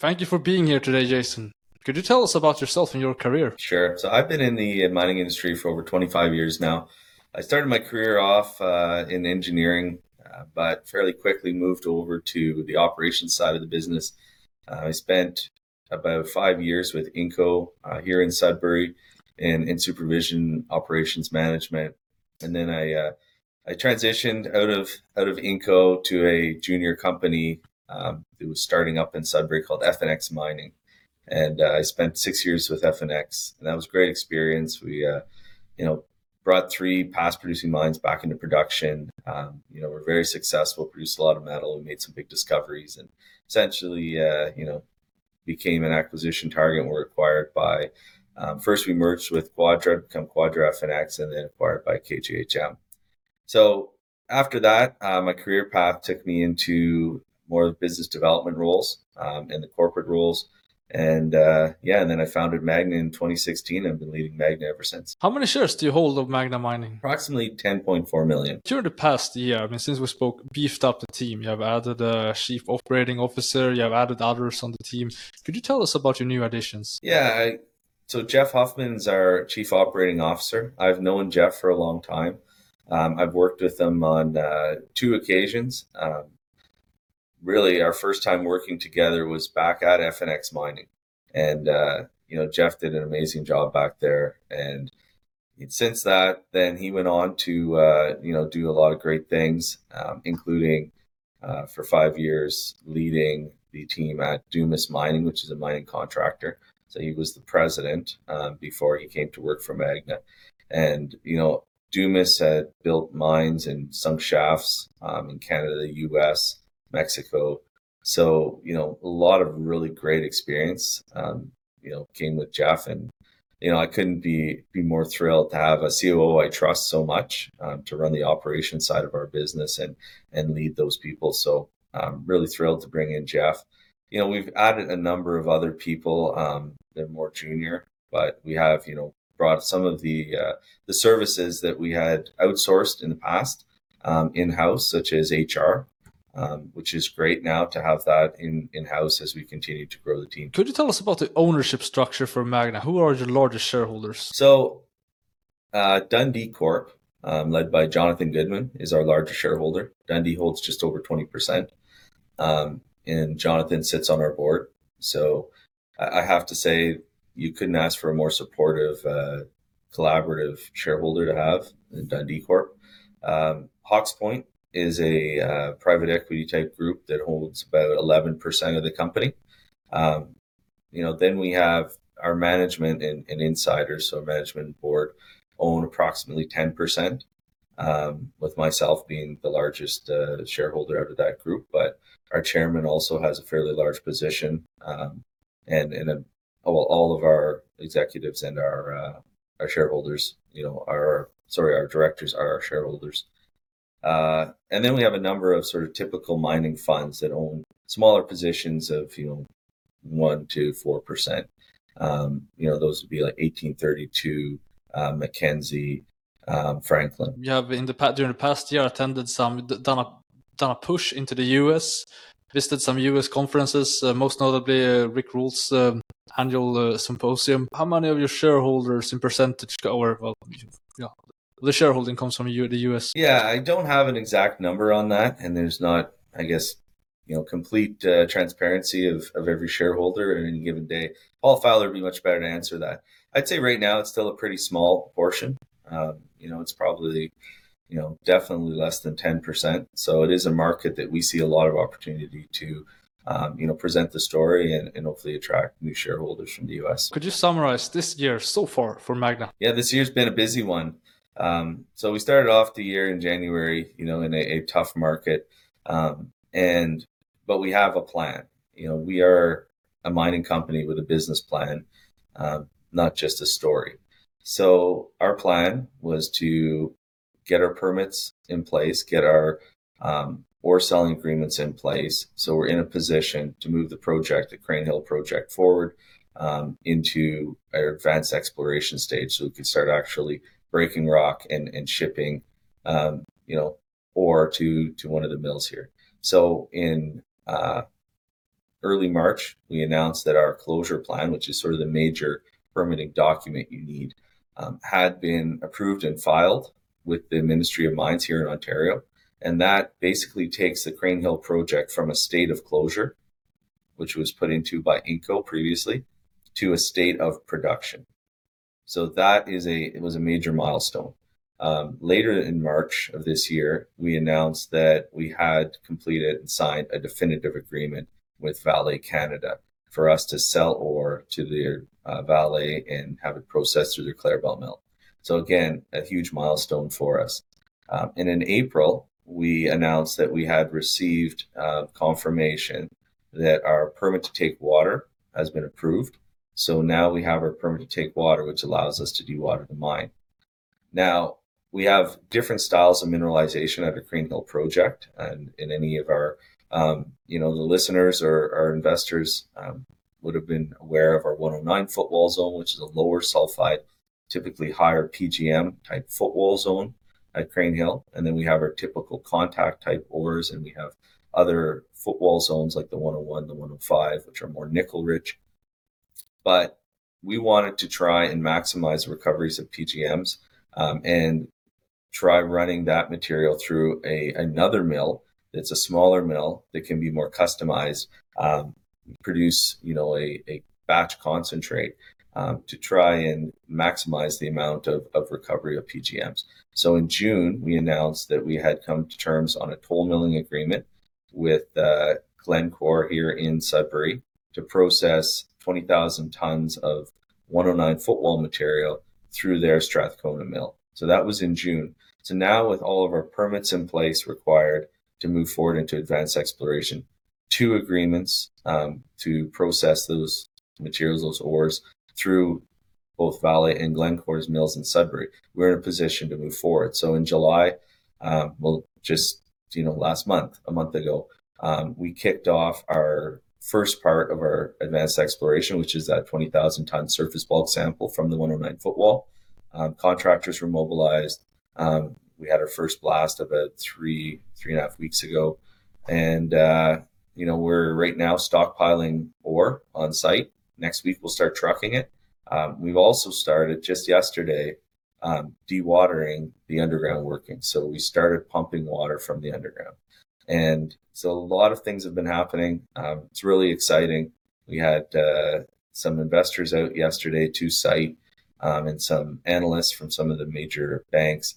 Thank you for being here today, Jason. Could you tell us about yourself and your career? Sure. So I've been in the mining industry for over 25 years now. I started my career off in engineering, but fairly quickly moved over to the operations side of the business. I spent about five years with Inco here in Sudbury and in supervision operations management. And then I transitioned out of Inco to a junior company that was starting up in Sudbury called FNX Mining. And I spent six years with FNX, and that was a great experience. We you know, brought three past producing mines back into production. You know, we're very successful, produced a lot of metal, and made some big discoveries, and essentially you know, became an acquisition target, and were acquired by... First, we merged with Quadra, become Quadra FNX, and then acquired by KGHM. After that, my career path took me into more business development roles, and the corporate roles, and then I founded Magna in 2016, and I've been leading Magna ever since. How many shares do you hold of Magna Mining? Approximately 10.4 million. During the past year, I mean, since we spoke, beefed up the team, you have added a Chief Operating Officer, you have added others on the team. Could you tell us about your new additions? Yeah. So Jeff Hoffman is our Chief Operating Officer. I've known Jeff for a long time. I've worked with him on two occasions. Really, our first time working together was back at FNX Mining, and you know, Jeff did an amazing job back there, and since that, then he went on to you know, do a lot of great things, including for five years, leading the team at Dumas Mining, which is a mining contractor. So he was the president before he came to work for Magna. And you know, Dumas had built mines and some shafts in Canada, U.S., Mexico. So, you know, a lot of really great experience, you know, came with Jeff, and, you know, I couldn't be more thrilled to have a COO I trust so much, to run the operations side of our business and lead those people. So, I'm really thrilled to bring in Jeff. You know, we've added a number of other people, they're more junior, but we have, you know, brought some of the, the services that we had outsourced in the past, in-house, such as HR, which is great now to have that in-house as we continue to grow the team. Could you tell us about the ownership structure for Magna? Who are your largest shareholders? So, Dundee Corp, led by Jonathan Goodman, is our largest shareholder. Dundee holds just over 20%. And Jonathan sits on our board. So I have to say, you couldn't ask for a more supportive, collaborative shareholder to have than Dundee Corp. Hawke's Point is a private equity-type group that holds about 11% of the company. You know, then we have our management and insiders, so management board own approximately 10%, with myself being the largest shareholder out of that group. But our chairman also has a fairly large position. Well, all of our executives and our shareholders, you know, our-- sorry, our directors are our shareholders. And then we have a number of sort of typical mining funds that own smaller positions of, you know, 1%-4%. You know, those would be like 1832, Mackenzie, Franklin. Yeah, but in the past, during the past year, attended some... Done a push into the US, visited some US conferences, most notably Rick Rule's annual symposium. How many of your shareholders in percentage, the shareholding comes from the US? Yeah, I don't have an exact number on that, and there's not, I guess, you know, complete transparency of every shareholder in any given day. Paul Fowler would be much better to answer that. I'd say right now, it's still a pretty small portion. You know, it's probably, you know, definitely less than 10%, so it is a market that we see a lot of opportunity to, you know, present the story and, and hopefully attract new shareholders from the US. Could you summarize this year so far for Magna? Yeah, this year's been a busy one. So we started off the year in January, you know, in a tough market, and. But we have a plan. You know, we are a mining company with a business plan, not just a story. So our plan was to get our permits in place, get our ore selling agreements in place, so we're in a position to move the project, the Crean Hill project, forward, into our advanced exploration stage, so we could start actually breaking rock and shipping, you know, ore to one of the mills here. So in early March, we announced that our closure plan, which is sort of the major permitting document you need, had been approved and filed with the Ministry of Mines here in Ontario, and that basically takes the Crean Hill project from a state of closure, which was put into by Inco previously, to a state of production. So that is. It was a major milestone. Later in March of this year, we announced that we had completed and signed a definitive agreement with Vale Canada for us to sell or to their Vale and have it processed through their Clarabelle Mill. So again, a huge milestone for us. And in April, we announced that we had received confirmation that our permit to take water has been approved. So now we have our permit to take water, which allows us to do water to mine. Now, we have different styles of mineralization at the Crean Hill project, and in any of our, You know, the listeners or our investors, would have been aware of our 109 Footwall Zone, which is a lower sulfide- typically higher PGM type footwall zone at Crean Hill, and then we have our typical contact-type ores, and we have other footwall zones like the 101, the 105, which are more nickel rich. But we wanted to try and maximize recoveries of PGMs, and try running that material through a, another mill, that's a smaller mill, that can be more customized, produce, you know, a, a batch concentrate, to try and maximize the amount of, of recovery of PGMs. So in June, we announced that we had come to terms on a toll milling agreement with Glencore here in Sudbury to process 20,000 tons of 109 footwall material through their Strathcona Mill. So that was in June. So now with all of our permits in place required to move forward into advanced exploration, two agreements to process those materials, those ores, through both Vale and Glencore's mills in Sudbury, we're in a position to move forward. So in July, well, just, you know, last month, a month ago, we kicked off our first part of our advanced exploration, which is that 20,000-ton surface bulk sample from the 109 footwall. Contractors were mobilized. We had our first blast about 3.5 weeks ago, and, you know, we're right now stockpiling ore on-site. Next week, we'll start trucking it. We've also started, just yesterday, dewatering the underground workings. So we started pumping water from the underground. A lot of things have been happening. It's really exciting. We had some investors out yesterday to site, and some analysts from some of the major banks,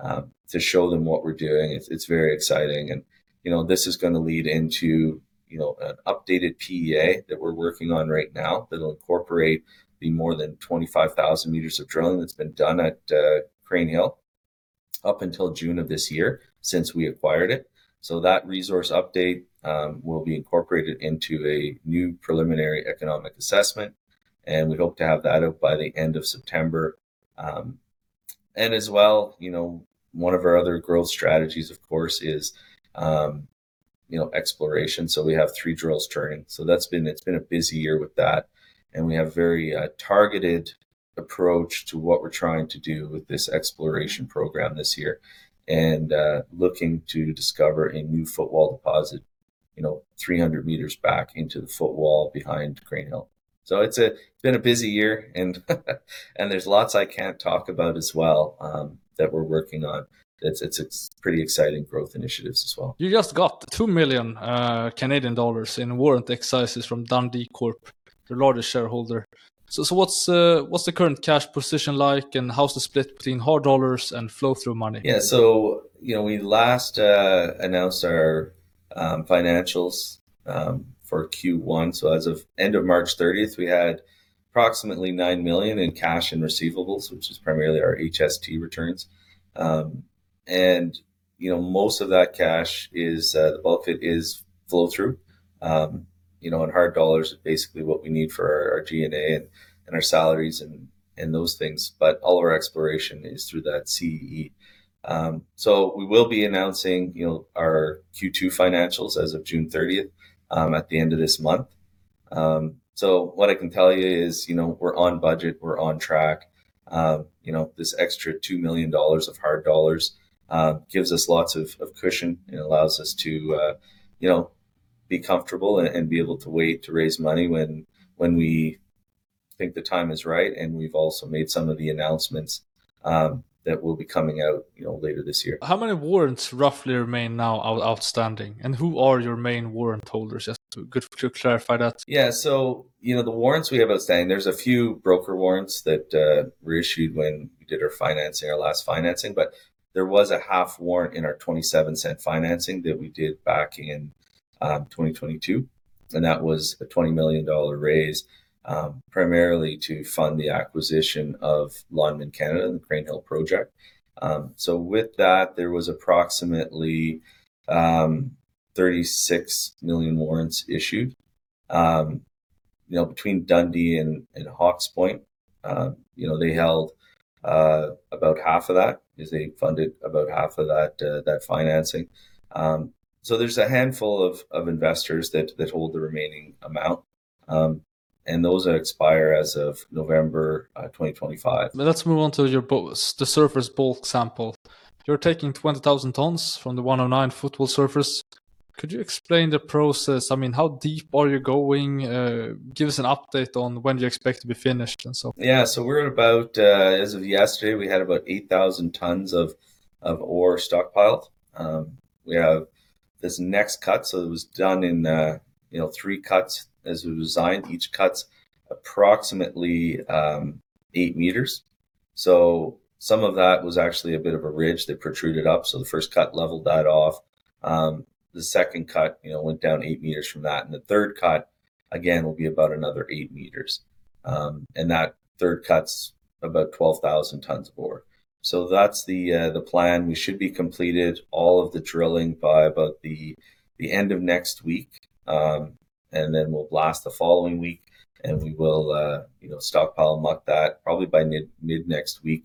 to show them what we're doing. It's very exciting and, you know, this is gonna lead into, you know, an updated PEA that we're working on right now, that'll incorporate the more than 25,000 meters of drilling that's been done at Crean Hill up until June of this year, since we acquired it. So that resource update will be incorporated into a new preliminary economic assessment, and we hope to have that out by the end of September. And as well, you know, one of our other growth strategies, of course, is, you know, exploration. So we have three drills turning. So that's been... It's been a busy year with that, and we have a very targeted approach to what we're trying to do with this exploration program this year, and looking to discover a new footwall deposit, you know, 300 meters back into the footwall behind Crean Hill. So it's a... It's been a busy year, and there's lots I can't talk about as well that we're working on. It's pretty exciting growth initiatives as well. You just got 2 million Canadian dollars in warrant exercises from Dundee Corp., the largest shareholder. What's the current cash position like, and how's the split between hard dollars and flow-through money? Yeah, so, you know, we last announced our financials for Q1. So as of end of March 30, we had approximately 9 million in cash and receivables, which is primarily our HST returns. And you know, most of that cash is the bulk of it is flow-through. You know, and hard dollars is basically what we need for our G&A and our salaries and those things. But all of our exploration is through that CEE. So we will be announcing, you know, our Q2 financials as of June 30, at the end of this month. So what I can tell you is, you know, we're on budget, we're on track. You know, this extra 2 million dollars of hard dollars gives us lots of, of cushion and allows us to you know, be comfortable and, and be able to wait to raise money when, when we think the time is right. And we've also made some of the announcements that will be coming out, you know, later this year. How many warrants roughly remain now outstanding, and who are your main warrant holders? Just to... Good to clarify that. Yeah. So, you know, the warrants we have outstanding, there's a few broker warrants that were issued when we did our financing, our last financing, but there was a half warrant in our 27-cent financing that we did back in 2022, and that was a 20 million dollar raise, primarily to fund the acquisition of Lonmin Canada and the Crean Hill project. So with that, there was approximately 36 million warrants issued. You know, between Dundee and Hawke's Point, you know, they held about half of that, as they funded about half of that that financing. So there's a handful of investors that hold the remaining amount, and those expire as of November 2025. Let's move on to your bulk, the surface bulk sample. You're taking 20,000 tons from the 109 Footwall surface. Could you explain the process? I mean, how deep are you going? Give us an update on when do you expect to be finished and so on. Yeah, so we're about, as of yesterday, we had about 8,000 tons of ore stockpiled. We have this next cut, so it was done in, you know, 3 cuts as we designed. Each cut's approximately 8 meters. So some of that was actually a bit of a ridge that protruded up, so the first cut leveled that off. The second cut, you know, went down 8 meters from that, and the third cut, again, will be about another 8 meters. And that third cut's about 12,000 tons of ore. So that's the plan. We should be completed all of the drilling by about the end of next week. And then we'll blast the following week, and we will, you know, stockpile muck that probably by mid next week.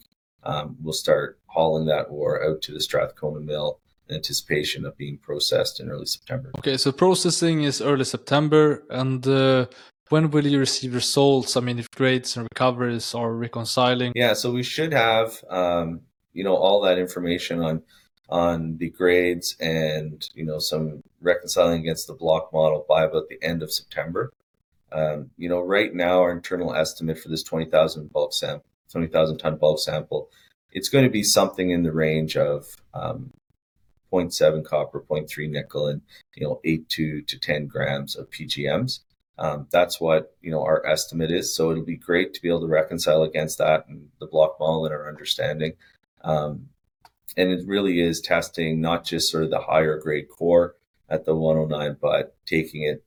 We'll start hauling that ore out to the Strathcona Mill in anticipation of being processed in early September. Okay, so processing is early September, and when will you receive results? I mean, if grades and recoveries are reconciling. Yeah, so we should have, you know, all that information on, on the grades and, you know, some reconciling against the block model by about the end of September. You know, right now, our internal estimate for this 20,000 bulk sam- 20,000 ton bulk sample, it's gonna be something in the range of, 0.7 copper, 0.3 nickel, and, you know, 8-10 grams of PGMs. That's what, you know, our estimate is, so it'll be great to be able to reconcile against that and the block model and our understanding. And it really is testing not just sort of the higher-grade core at the 109, but taking it,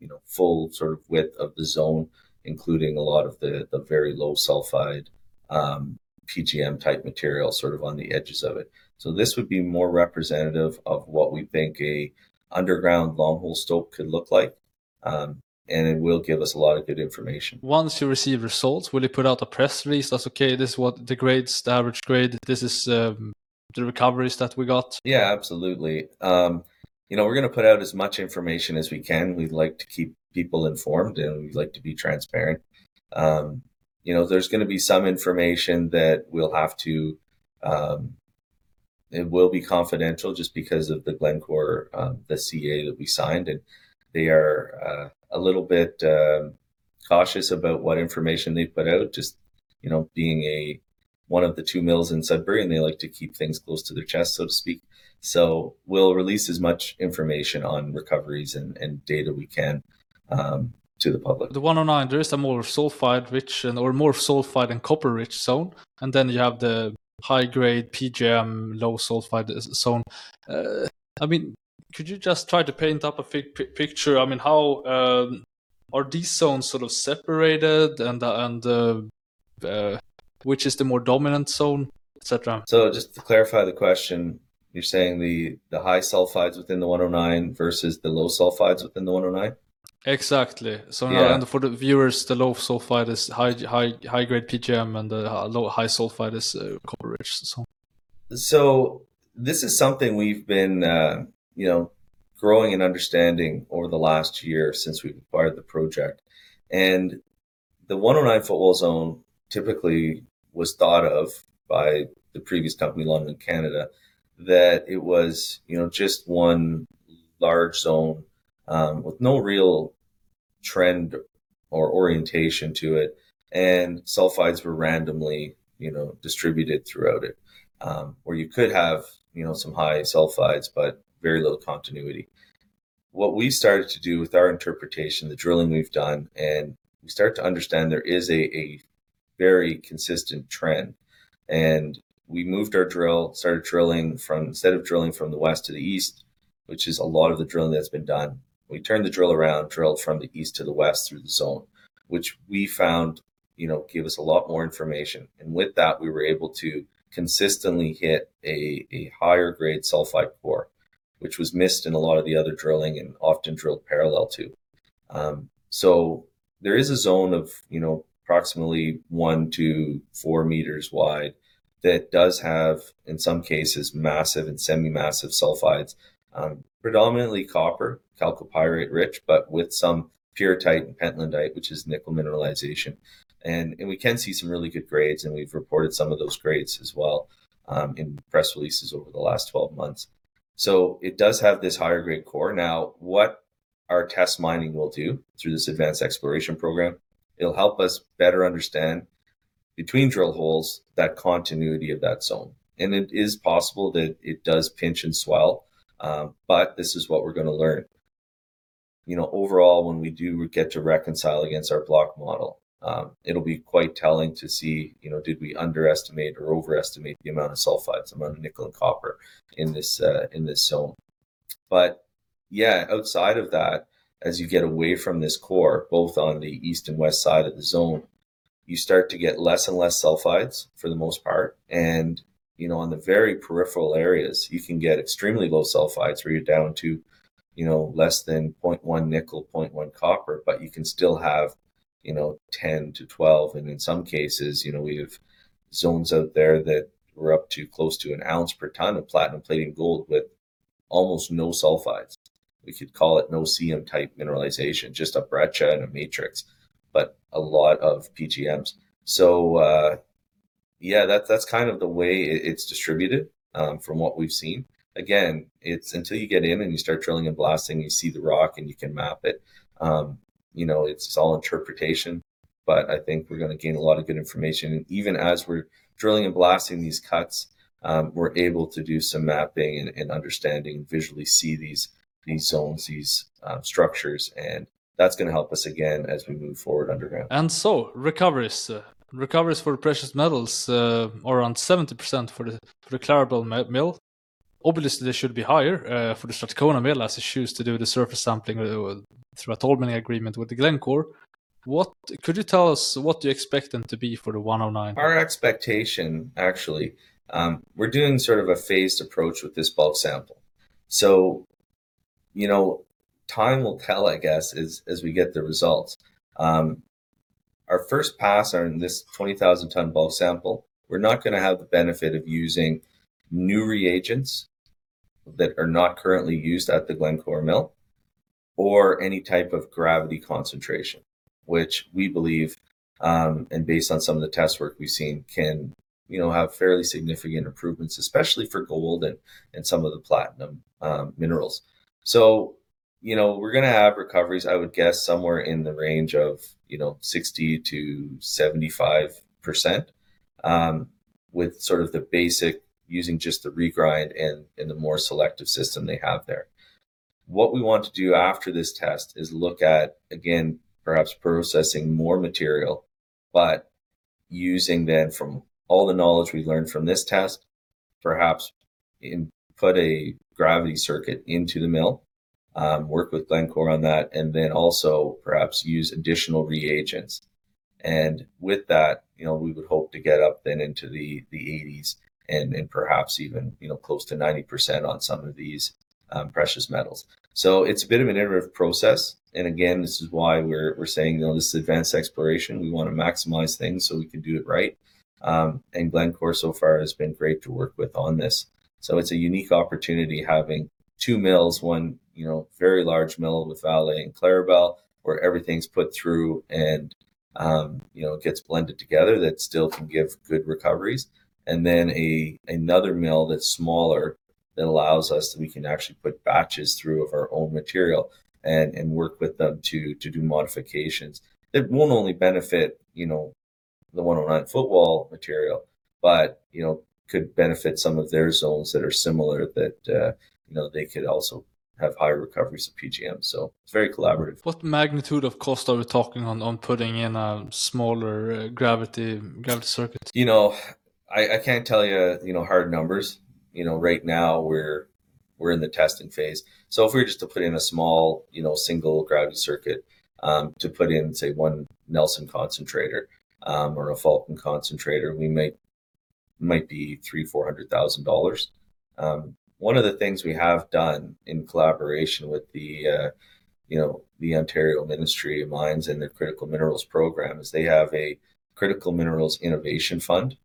you know, full sort of width of the zone, including a lot of the, the very low sulfide, PGM-type material sort of on the edges of it. So this would be more representative of what we think an underground long-hole stope could look like, and it will give us a lot of good information. Once you receive results, will you put out a press release that's okay, this is what the grades, the average grade, this is, the recoveries that we got? Yeah, absolutely. You know, we're gonna put out as much information as we can. We like to keep people informed, and we like to be transparent. You know, there's gonna be some information that we'll have to... It will be confidential just because of the Glencore, the CA that we signed, and they are a little bit cautious about what information they put out. Just, you know, being one of the two mills in Sudbury, and they like to keep things close to their chest, so to speak. So we'll release as much information on recoveries and data we can to the public. The 109, there is a more sulfide-rich or more sulfide and copper-rich zone, and then you have the high-grade PGM, low sulfide zone. I mean, could you just try to paint a picture? I mean, how are these zones sort of separated, and which is the more dominant zone, et cetera? So just to clarify the question, you're saying the high sulfides within the 109 versus the low sulfides within the 109? Exactly. Yeah. And for the viewers, the low sulfide is high, high, high-grade PGM, and the low, high sulfide is copper-rich zone. So this is something we've been, you know, growing and understanding over the last year since we've acquired the project. And the 109 Footwall Zone typically was thought of by the previous company, Lonmin Canada, that it was, you know, just one large zone, with no real trend or orientation to it, and sulfides were randomly, you know, distributed throughout it. Or you could have, you know, some high sulfides but very little continuity. What we started to do with our interpretation, the drilling we've done, and we start to understand there is a very consistent trend. And we moved our drill, started drilling from... Instead of drilling from the west to the east, which is a lot of the drilling that's been done, we turned the drill around and drilled from the east to the west through the zone, which we found, you know, gave us a lot more information. And with that, we were able to consistently hit a higher-grade sulfide core, which was missed in a lot of the other drilling and often drilled parallel to. So there is a zone of, you know, approximately 1-4 meters wide that does have, in some cases, massive and semi-massive sulfides. Predominantly copper, chalcopyrite rich, but with some pyrrhotite and pentlandite, which is nickel mineralization. And we can see some really good grades, and we've reported some of those grades as well, in press releases over the last 12 months. So it does have this higher-grade core. Now, what our test mining will do through this advanced exploration program, it'll help us better understand between drill holes, that continuity of that zone. It is possible that it does pinch and swell, but this is what we're gonna learn. You know, overall, when we do get to reconcile against our block model, it'll be quite telling to see, you know, did we underestimate or overestimate the amount of sulfides, the amount of nickel and copper in this, in this zone? Yeah, outside of that, as you get away from this core, both on the east and west side of the zone, you start to get less and less sulfides for the most part, and, you know, on the very peripheral areas, you can get extremely low sulfides, where you're down to, you know, less than 0.1 nickel, 0.1 copper. But you can still have, you know, 10-12, and in some cases, you know, we have zones out there that were up to close to an ounce per ton of platinum, palladium and gold with almost no sulfides. We could call it no Cu-Ni-type mineralization, just a breccia and a matrix, but a lot of PGMs. So, yeah, that, that's kind of the way it's distributed, from what we've seen. Again, it's until you get in and you start drilling and blasting, you see the rock, and you can map it, you know, it's all interpretation. But I think we're gonna gain a lot of good information. And even as we're drilling and blasting these cuts, we're able to do some mapping and, and understanding, visually see these, these zones, these, structures, and that's gonna help us again as we move forward underground. Recoveries for precious metals are around 70% for the Clarabelle Mill. Obviously, they should be higher for the Strathcona Mill as it's chosen to do the surface sampling through a toll milling agreement with Glencore. What... Could you tell us what you expect them to be for the 109? Our expectation, actually, we're doing sort of a phased approach with this bulk sample. So, you know, time will tell, I guess, as we get the results. Our first pass on this 20,000-ton bulk sample, we're not gonna have the benefit of using new reagents that are not currently used at the Glencore mill, or any type of gravity concentration, which we believe, and based on some of the test work we've seen, can, you know, have fairly significant improvements, especially for gold and some of the platinum minerals. So, you know, we're gonna have recoveries, I would guess, somewhere in the range of 60%-75%, with sort of the basic using just the regrind and the more selective system they have there. What we want to do after this test is look at, again, perhaps processing more material, but using then from all the knowledge we've learned from this test, perhaps input a gravity circuit into the mill, work with Glencore on that, and then also perhaps use additional reagents. And with that, you know, we would hope to get up then into the 80s and perhaps even, you know, close to 90% on some of these precious metals. So it's a bit of an iterative process, and again, this is why we're saying, you know, this is advanced exploration. We wanna maximize things, so we can do it right. And Glencore so far has been great to work with on this. So it's a unique opportunity having two mills, one, you know, very large mill with Vale and Clarabelle, where everything's put through and, you know, gets blended together, that still can give good recoveries. And then another mill that's smaller, that allows us, that we can actually put batches through of our own material and work with them to do modifications. It won't only benefit, you know, the one on our footwall material, but, you know, could benefit some of their zones that are similar that they could also have higher recoveries of PGM, so it's very collaborative. What magnitude of cost are we talking on putting in a smaller gravity circuit? You know, I, I can't tell you, you know, hard numbers. You know, right now we're, we're in the testing phase. So if we're just to put in a small, you know, single gravity circuit, to put in, say, one Knelson Concentrator, or a Falcon Concentrator, we might... might be 300,000-400,000 dollars. One of the things we have done in collaboration with the, you know, the Ontario Ministry of Mines and their Critical Minerals program, is they have a Critical Minerals Innovation Fund.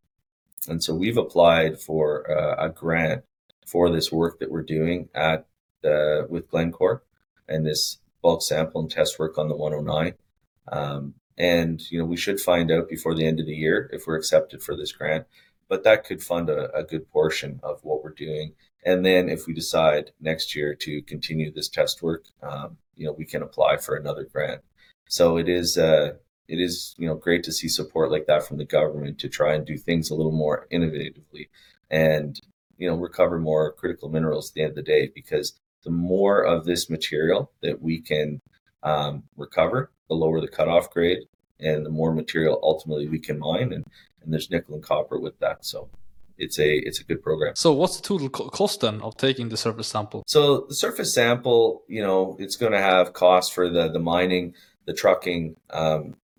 And so we've applied for, a grant for this work that we're doing at, with Glencore, and this bulk sample and test work on the 109. And, you know, we should find out before the end of the year if we're accepted for this grant, but that could fund a, a good portion of what we're doing. And then, if we decide next year to continue this test work, you know, we can apply for another grant. So it is, it is, you know, great to see support like that from the government to try and do things a little more innovatively and, you know, recover more critical minerals at the end of the day, because the more of this material that we can, recover, the lower the cut-off grade, and the more material ultimately we can mine, and, and there's nickel and copper with that. So it's a, it's a good program. So what's the total cost then of taking the surface sample? So the surface sample, you know, it's gonna have cost for the, the mining, the trucking,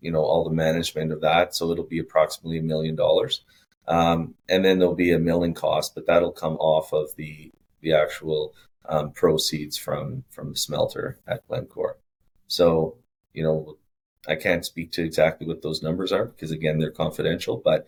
you know, all the management of that, so it'll be approximately 1 million dollars. And then there'll be a milling cost, but that'll come off of the, the actual, proceeds from, from the smelter at Glencore. So, you know, I can't speak to exactly what those numbers are, 'cause again, they're confidential, but,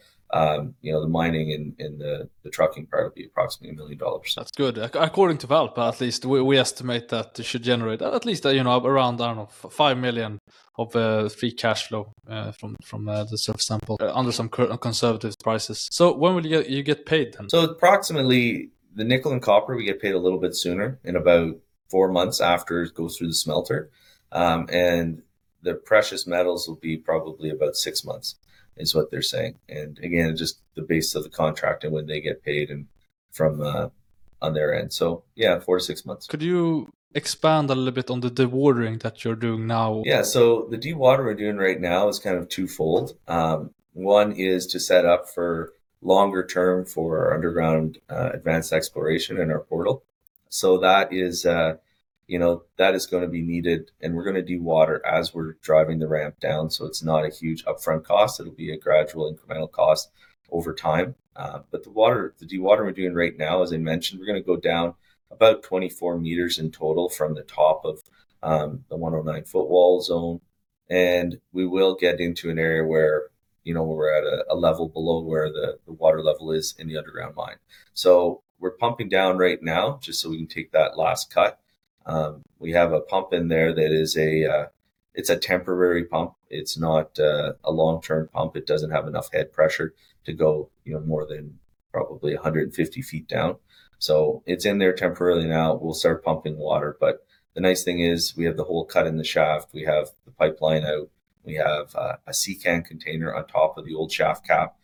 you know, the mining and, and the, the trucking part will be approximately 1 million dollars. That's good. According to Valpa at least, we estimate that this should generate at least, you know, around, I don't know, 5 million of free cash flow from the surface sample under some conservative prices. So when will you get paid then? So approximately, the nickel and copper, we get paid a little bit sooner, in about four months after it goes through the smelter. And the precious metals will be probably about six months, is what they're saying. And again, just the base of the contract and when they get paid and from, on their end. So yeah, four to six months. Could you expand a little bit on the dewatering that you're doing now? Yeah. So the dewatering we're doing right now is kind of twofold. One is to set up for longer term for our underground advanced exploration in our portal. So that is, you know, that is gonna be needed, and we're gonna dewater as we're driving the ramp down, so it's not a huge upfront cost. It'll be a gradual, incremental cost over time. But the water- the dewatering we're doing right now, as I mentioned, we're gonna go down about 24 meters in total from the top of the 109 Footwall Zone, and we will get into an area where, you know, we're at a level below where the water level is in the underground mine. So we're pumping down right now, just so we can take that last cut. We have a pump in there that is a... It's a temporary pump. It's not a long-term pump. It doesn't have enough head pressure to go, you know, more than probably 150 feet down. So it's in there temporarily now. We'll start pumping water, but the nice thing is, we have the hole cut in the shaft, we have the pipeline out, we have a sea can container on top of the old shaft cap,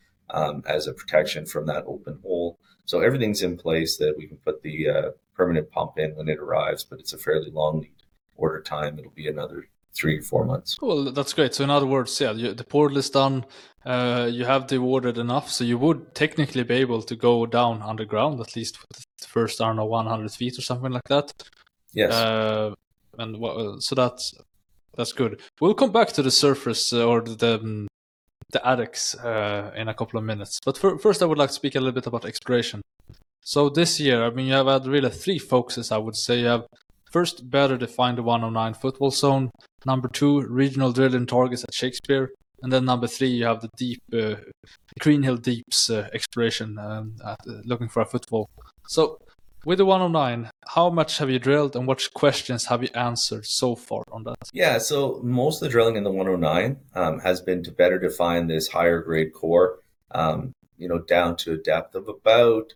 as a protection from that open hole. So everything's in place, that we can put the permanent pump in when it arrives, but it's a fairly long lead order time. It'll be another 3-4 months. Well, that's great. So in other words, yeah, the portal is done. You have dewatered enough, so you would technically be able to go down underground, at least for the first, I don't know, 100 feet or something like that? Yes. So that's good. We'll come back to the surface, or the adits, in a couple of minutes. But first, I would like to speak a little bit about exploration. So this year, I mean, you have had really 3 focuses, I would say. You have, first, better define the 109 Footwall Zone, 2, regional drilling targets at Shakespeare, and then 3, you have the deep, Crean Hill Deeps, exploration, looking for a footwall. So with the 109, how much have you drilled, and what questions have you answered so far on that? Yeah, so most of the drilling in the 109 has been to better define this higher grade core, you know, down to a depth of about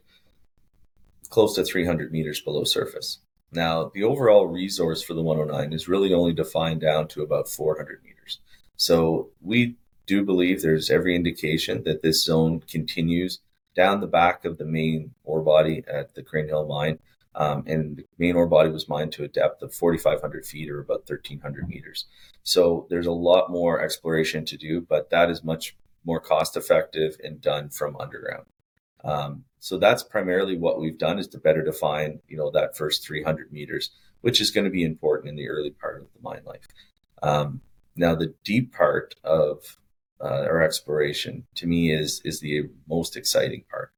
close to 300 meters below surface. Now, the overall resource for the 109 is really only defined down to about 400 meters. So we do believe there's every indication that this zone continues down the back of the main ore body at the Crean Hill mine. And the main ore body was mined to a depth of 4,500 feet or about 1,300 meters. So there's a lot more exploration to do, but that is much more cost-effective and done from underground. So that's primarily what we've done, is to better define, you know, that first 300 meters, which is gonna be important in the early part of the mine life. Now, the deep part of our exploration, to me is the most exciting part,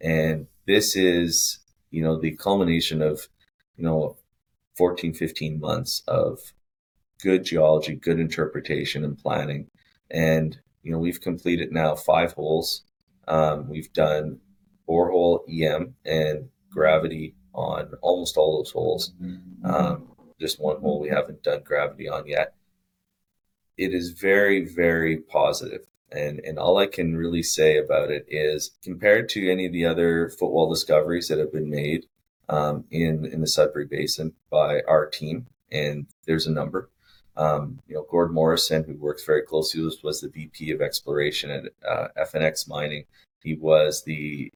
and this is, you know, the culmination of, you know, 14, 15 months of good geology, good interpretation, and planning, and, you know, we've completed now 5 holes. We've done borehole EM and gravity on almost all those holes. Mm-hmm. Just one hole we haven't done gravity on yet. It is very, very positive, and all I can really say about it is, compared to any of the other footwall discoveries that have been made, in the Sudbury Basin by our team, and there's a number. You know, Gord Morrison, who works very closely with us, was the VP of exploration at FNX Mining. He was the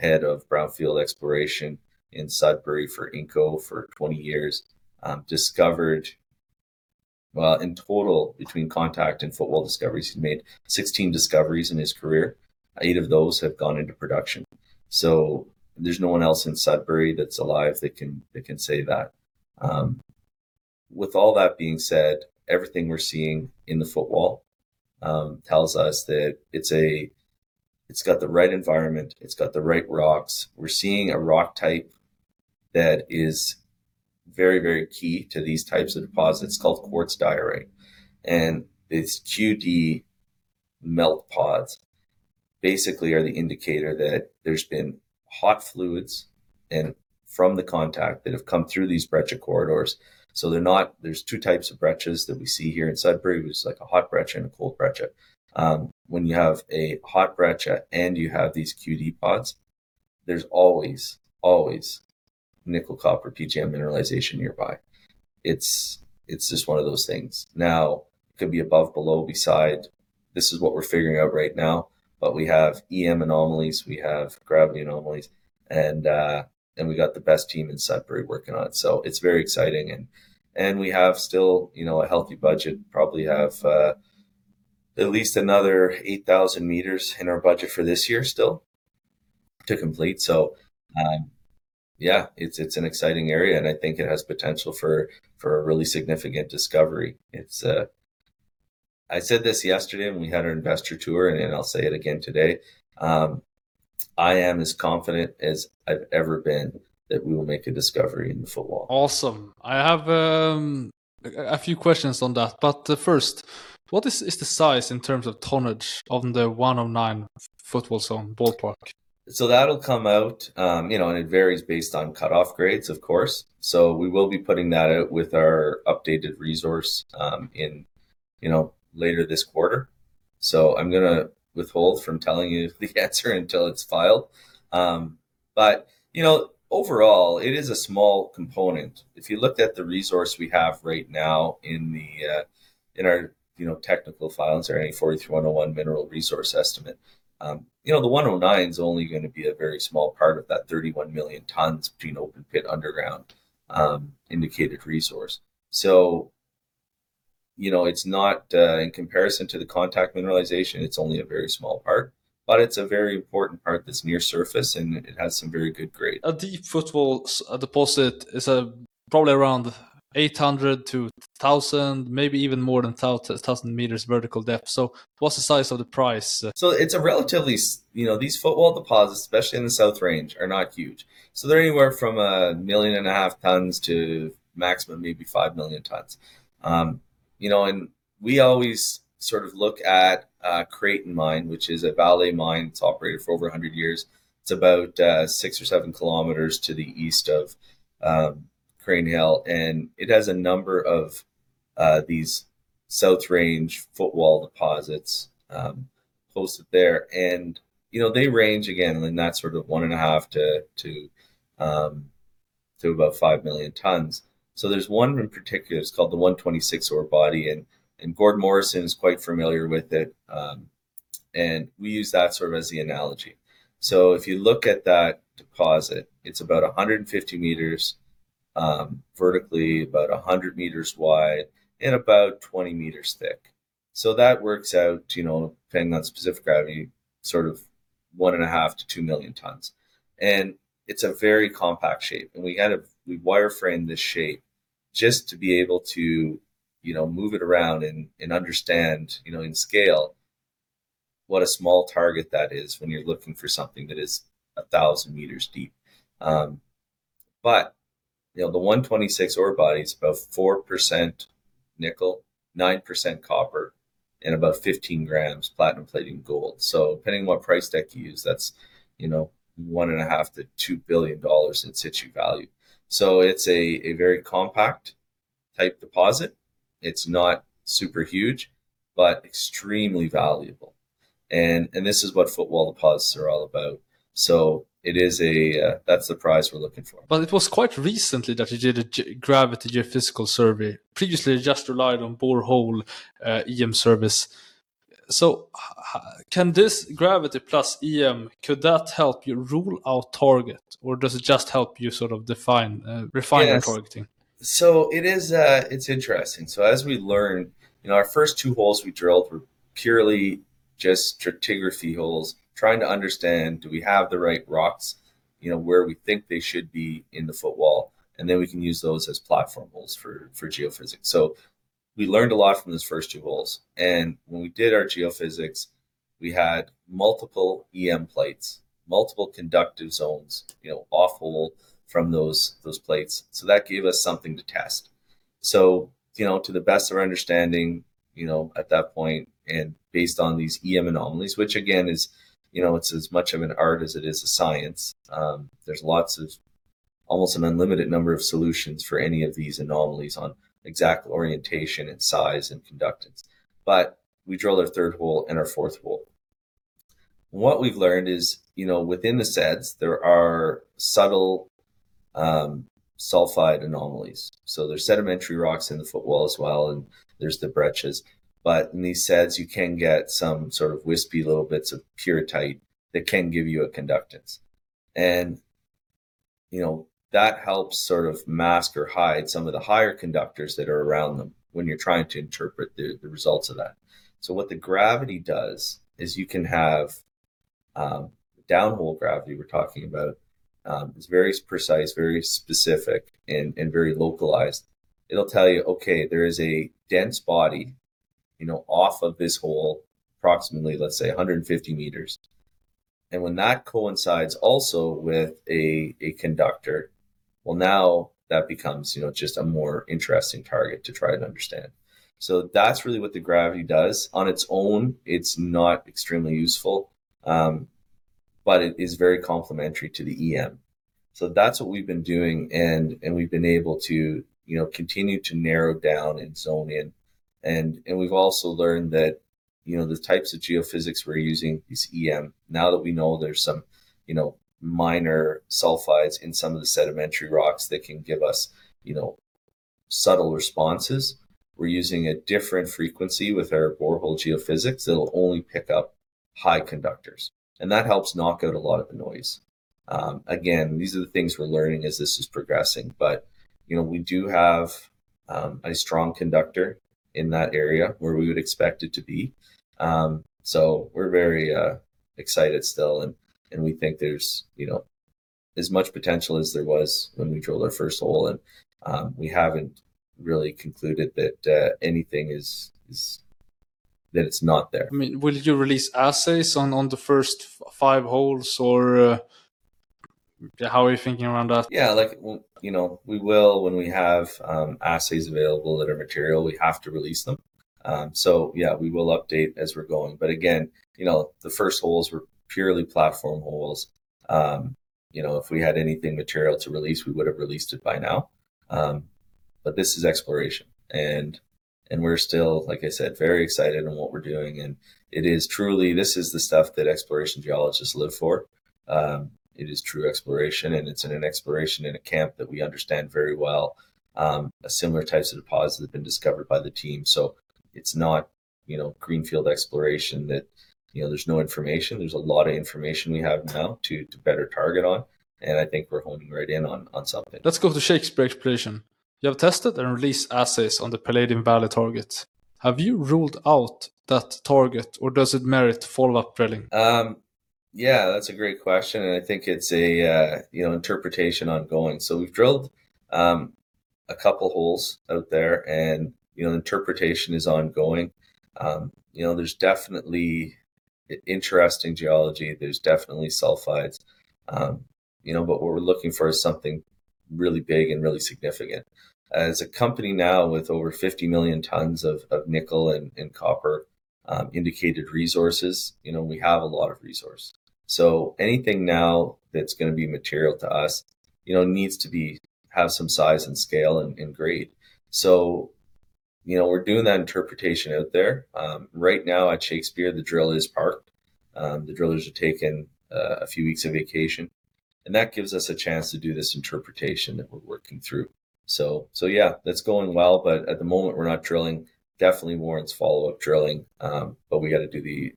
head of brownfield exploration in Sudbury for Inco for 20 years. Discovered... Well, in total, between contact and footwall discoveries, he's made 16 discoveries in his career. Eight of those have gone into production. So there's no one else in Sudbury that's alive that can say that. With all that being said, everything we're seeing in the footwall tells us that it's got the right environment, it's got the right rocks. We're seeing a rock type that is very, very key to these types of deposits, called quartz diorite, and its QD melt pods basically are the indicator that there's been hot fluids, and from the contact, that have come through these breccia corridors. So they're not... There's two types of breccias that we see here in Sudbury. There's like a hot breccia and a cold breccia. When you have a hot breccia, and you have these QD pods, there's always, always nickel, copper, PGM mineralization nearby. It's just one of those things. Now, it could be above, below, beside. This is what we're figuring out right now, but we have EM anomalies, we have gravity anomalies, and we got the best team in Sudbury working on it, so it's very exciting, and we have still, you know, a healthy budget. Probably have at least another 8,000 meters in our budget for this year still to complete. So, yeah, it's an exciting area, and I think it has potential for a really significant discovery. It's. I said this yesterday when we had our investor tour, and I'll say it again today. I am as confident as I've ever been that we will make a discovery in the footwall. Awesome. I have a few questions on that, but first, what is the size in terms of tonnage of the 109 Footwall Zone, ballpark? So that'll come out, you know, and it varies based on cut-off grades, of course. So we will be putting that out with our updated resource, in, you know, later this quarter. So I'm gonna withhold from telling you the answer until it's filed. But, you know, overall, it is a small component. If you looked at the resource we have right now in the, in our, you know, technical files or any 43-101 mineral resource estimate, you know, the 109's only gonna be a very small part of that 31 million tons between open pit underground, indicated resource. So, you know, it's not, in comparison to the contact mineralization, it's only a very small part, but it's a very important part that's near surface, and it has some very good grade. A deep footwall deposit is probably around 800-1,000, maybe even more than 1,000, 1,000 meters vertical depth. So what's the size of the price? You know, these footwall deposits, especially in the South Range, are not huge. So they're anywhere from 1.5 million tons to maximum, maybe 5 million tons. You know, and we always sort of look at Creighton Mine, which is a Vale mine. It's operated for over 100 years. It's about 6 or 7 kilometers to the east of Crean Hill, and it has a number of these South Range footwall deposits hosted there. And, you know, they range, again, in that sort of 1.5 to about 5 million tons. So there's one in particular, it's called the 126 ore body, and Gord Morrison is quite familiar with it, and we use that sort of as the analogy. So if you look at that deposit, it's about 150 meters vertically, about 100 meters wide, and about 20 meters thick. So that works out, you know, depending on specific gravity, sort of 1.5-2 million tons, and it's a very compact shape, and we had to wireframe this shape just to be able to, you know, move it around and understand, you know, in scale, what a small target that is when you're looking for something that is 1,000 meters deep. But, you know, the 126 ore body is about 4% nickel, 9% copper, and about 15 grams platinum, palladium, gold. So depending on what price deck you use, that's, you know, $1.5-$2 billion in situ value. So it's a very compact type deposit. It's not super huge, but extremely valuable. And this is what footwall deposits are all about. So it is a, that's the prize we're looking for. It was quite recently that you did a gravity geophysical survey. Previously, you just relied on borehole EM survey. So how can this gravity plus EM, could that help you rule out target, or does it just help you sort of define, refine your targeting? Yes. So it is, it's interesting. So as we learn, you know, our first two holes we drilled were purely just stratigraphy holes, trying to understand, do we have the right rocks, you know, where we think they should be in the footwall? And then we can use those as platform holes for geophysics. So we learned a lot from those first two holes, and when we did our geophysics, we had multiple EM plates, multiple conductive zones, you know, off hole from those plates. So that gave us something to test. So, you know, to the best of our understanding, you know, at that point, and based on these EM anomalies, which again, is, you know, it's as much of an art as it is a science. There's lots of almost an unlimited number of solutions for any of these anomalies on exact orientation and size and conductance. But we drilled our third hole and our fourth hole. What we've learned is, you know, within the sets, there are subtle sulfide anomalies. So there's sedimentary rocks in the footwall as well, and there's the breccias, but in these sets, you can get some sort of wispy little bits of pyrrhotite that can give you a conductance. And, you know, that helps sort of mask or hide some of the higher conductors that are around them when you're trying to interpret the results of that. So what the gravity does is you can have downhole gravity we're talking about is very precise, very specific, and very localized. It'll tell you, okay, there is a dense body, you know, off of this hole, approximately, let's say, 150 meters. And when that coincides also with a conductor, well, now that becomes, you know, just a more interesting target to try to understand. So that's really what the gravity does. On its own, it's not extremely useful, but it is very complementary to the EM. So that's what we've been doing, and we've been able to, you know, continue to narrow down and zone in. And we've also learned that, you know, the types of geophysics we're using is EM. Now that we know there's some, you know, minor sulfides in some of the sedimentary rocks that can give us, you know, subtle responses, we're using a different frequency with our borehole geophysics that'll only pick up high conductors, and that helps knock out a lot of the noise. Again, these are the things we're learning as this is progressing, but, you know, we do have a strong conductor in that area where we would expect it to be. So we're very excited still, and we think there's, you know, as much potential as there was when we drilled our first hole, and we haven't really concluded that anything is... that it's not there. I mean, will you release assays on the first five holes, or how are you thinking around that? Yeah, like, you know, we will, when we have, assays available that are material, we have to release them. So yeah, we will update as we're going. But again, you know, the first holes were purely platform holes. You know, if we had anything material to release, we would've released it by now. But this is exploration, and, and we're still, like I said, very excited on what we're doing, and it is truly, this is the stuff that exploration geologists live for. It is true exploration, and it's an exploration in a camp that we understand very well. A similar types of deposits have been discovered by the team, so it's not, you know, greenfield exploration that, you know, there's no information. There's a lot of information we have now to, to better target on, and I think we're honing right in on, on something. Let's go to Shakespeare exploration. You have tested and released assays on the Palladium Valley target. Have you ruled out that target, or does it merit follow-up drilling? Yeah, that's a great question, and I think it's a you know interpretation ongoing. So we've drilled a couple holes out there, and you know interpretation is ongoing. You know, there's definitely interesting geology, there's definitely sulfides. You know, but what we're looking for is something really big and really significant. As a company now with over 50 million tons of nickel and copper indicated resources, you know, we have a lot of resource. So anything now that's gonna be material to us, you know, needs to be have some size and scale and grade. So you know we're doing that interpretation out there. Right now at Shakespeare, the drill is parked. The drillers have taken a few weeks of vacation, and that gives us a chance to do this interpretation that we're working through. So, yeah, that's going well, but at the moment, we're not drilling. Definitely warrants follow-up drilling, but we gotta do the,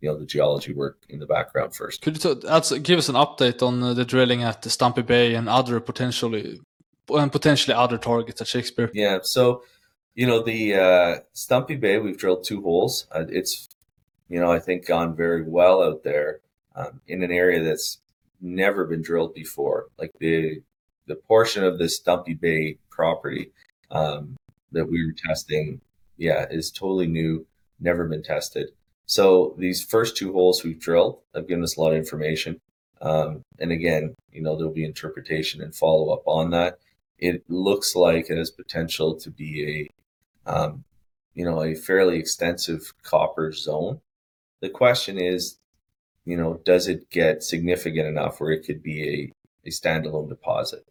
you know, the geology work in the background first. Could you also give us an update on the drilling at the Stumpy Bay and other potentially, well, and potentially other targets at Shakespeare? Yeah. So, you know, the Stumpy Bay, we've drilled two holes, and it's you know, I think gone very well out there, in an area that's never been drilled before. Like, the portion of this Stumpy Bay property that we were testing, yeah, is totally new, never been tested. So these first two holes we've drilled have given us a lot of information. And again, you know, there'll be interpretation and follow-up on that. It looks like it has potential to be a you know, a fairly extensive copper zone. The question is, you know, does it get significant enough where it could be a standalone deposit?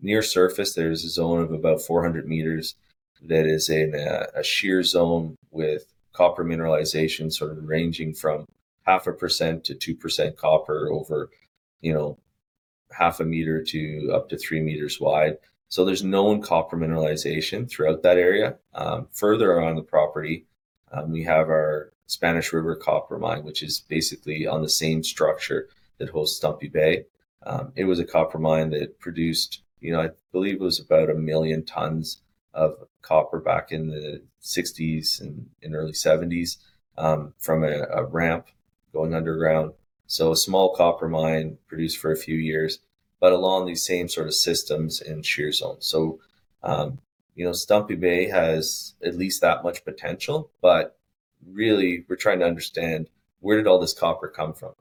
Near surface, there's a zone of about 400 meters that is in a shear zone with copper mineralization, sort of ranging from 0.5% to 2% copper over, you know, 0.5 meter to up to 3 meters wide. So there's known copper mineralization throughout that area. Further on the property, we have our Spanish River Mine, which is basically on the same structure that hosts Stumpy Bay. It was a copper mine that produced, you know, I believe it was about 1,000,000 tons of copper back in the sixties and early seventies, from a ramp going underground. So a small copper mine, produced for a few years, but along these same sort of systems and shear zones. So, you know, Stumpy Bay has at least that much potential, but really, we're trying to understand, where did all this copper come from?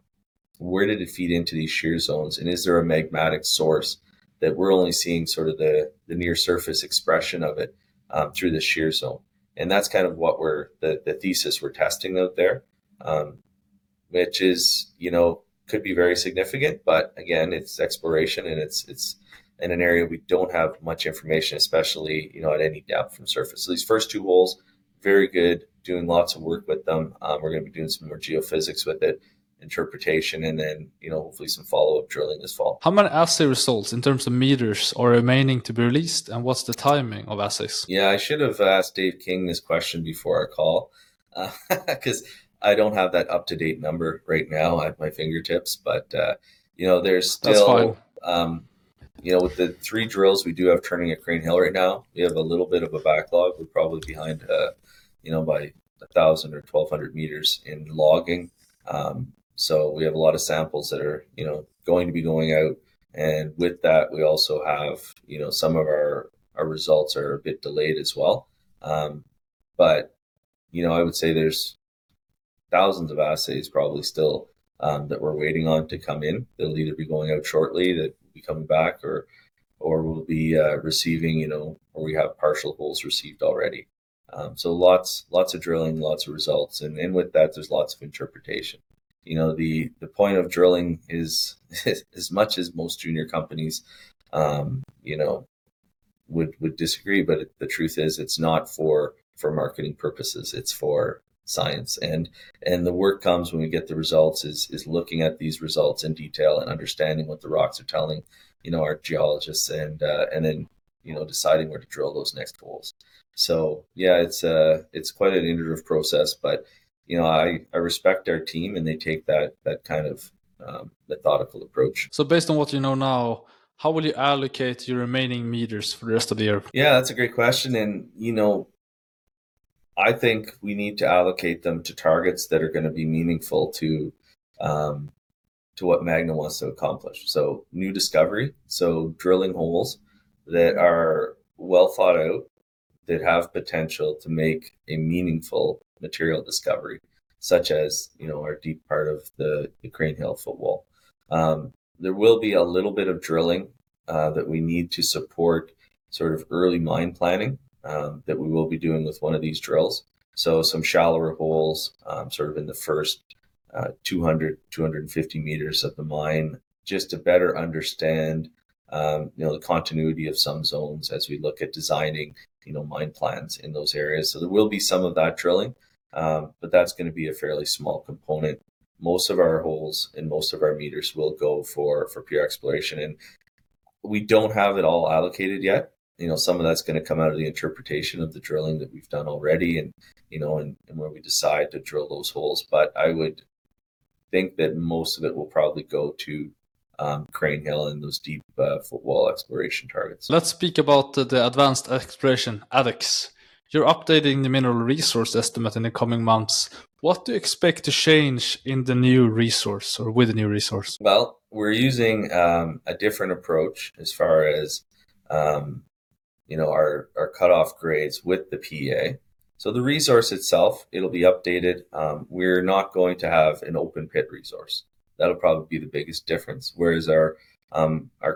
Where did it feed into these shear zones? And is there a magmatic source that we're only seeing sort of the near surface expression of it, through the shear zone? And that's kind of what we're... The thesis we're testing out there, which is, you know, could be very significant, but again, it's exploration and it's in an area we don't have much information, especially, you know, at any depth from surface. So these first two holes, very good, doing lots of work with them. We're gonna be doing some more geophysics with it, interpretation, and then, you know, hopefully some follow-up drilling this fall. How many assay results in terms of meters are remaining to be released, and what's the timing of assays? Yeah, I should have asked Dave King this question before our call, 'cause I don't have that up-to-date number right now at my fingertips. But, you know, there's still- That's fine. You know, with the three drills we do have turning at Crean Hill right now, we have a little bit of a backlog. We're probably behind, you know, by 1,000 or 1,200 meters in logging. So we have a lot of samples that are, you know, going to be going out, and with that, we also have... You know, some of our results are a bit delayed as well. But, you know, I would say there's thousands of assays probably still that we're waiting on to come in. They'll either be going out shortly, that will be coming back or we'll be receiving, you know... Or we have partial holes received already. So lots, lots of drilling, lots of results, and with that, there's lots of interpretation. You know, the point of drilling is, as much as most junior companies, you know, would disagree, but the truth is, it's not for marketing purposes, it's for science. And the work comes when we get the results is looking at these results in detail and understanding what the rocks are telling, you know, our geologists and then, you know, deciding where to drill those next holes. So yeah, it's quite an iterative process, but, you know, I respect our team, and they take that kind of methodical approach. Based on what you know now, how will you allocate your remaining meters for the rest of the year? Yeah, that's a great question, and, you know, I think we need to allocate them to targets that are gonna be meaningful to, to what Magna wants to accomplish. So new discovery, so drilling holes that are well thought out, that have potential to make a meaningful material discovery, such as, you know, our deep part of the, the Crean Hill footwall. There will be a little bit of drilling, that we need to support sort of early mine planning, that we will be doing with one of these drills. So some shallower holes, sort of in the first, 200-250 meters of the mine, just to better understand, you know, the continuity of some zones as we look at designing, you know, mine plans in those areas. So there will be some of that drilling, but that's gonna be a fairly small component. Most of our holes and most of our meters will go for, for pure exploration, and we don't have it all allocated yet. You know, some of that's gonna come out of the interpretation of the drilling that we've done already and, you know, and, and where we decide to drill those holes. But I would think that most of it will probably go to, Crean Hill and those deep, footwall exploration targets. Let's speak about the Advanced Exploration, ADEX. You're updating the Mineral Resource Estimate in the coming months. What do you expect to change in the new resource or with the new resource? Well, we're using a different approach as far as, you know, our cut-off grades with the PEA. So the resource itself, it'll be updated. We're not going to have an open-pit resource. That'll probably be the biggest difference. Whereas our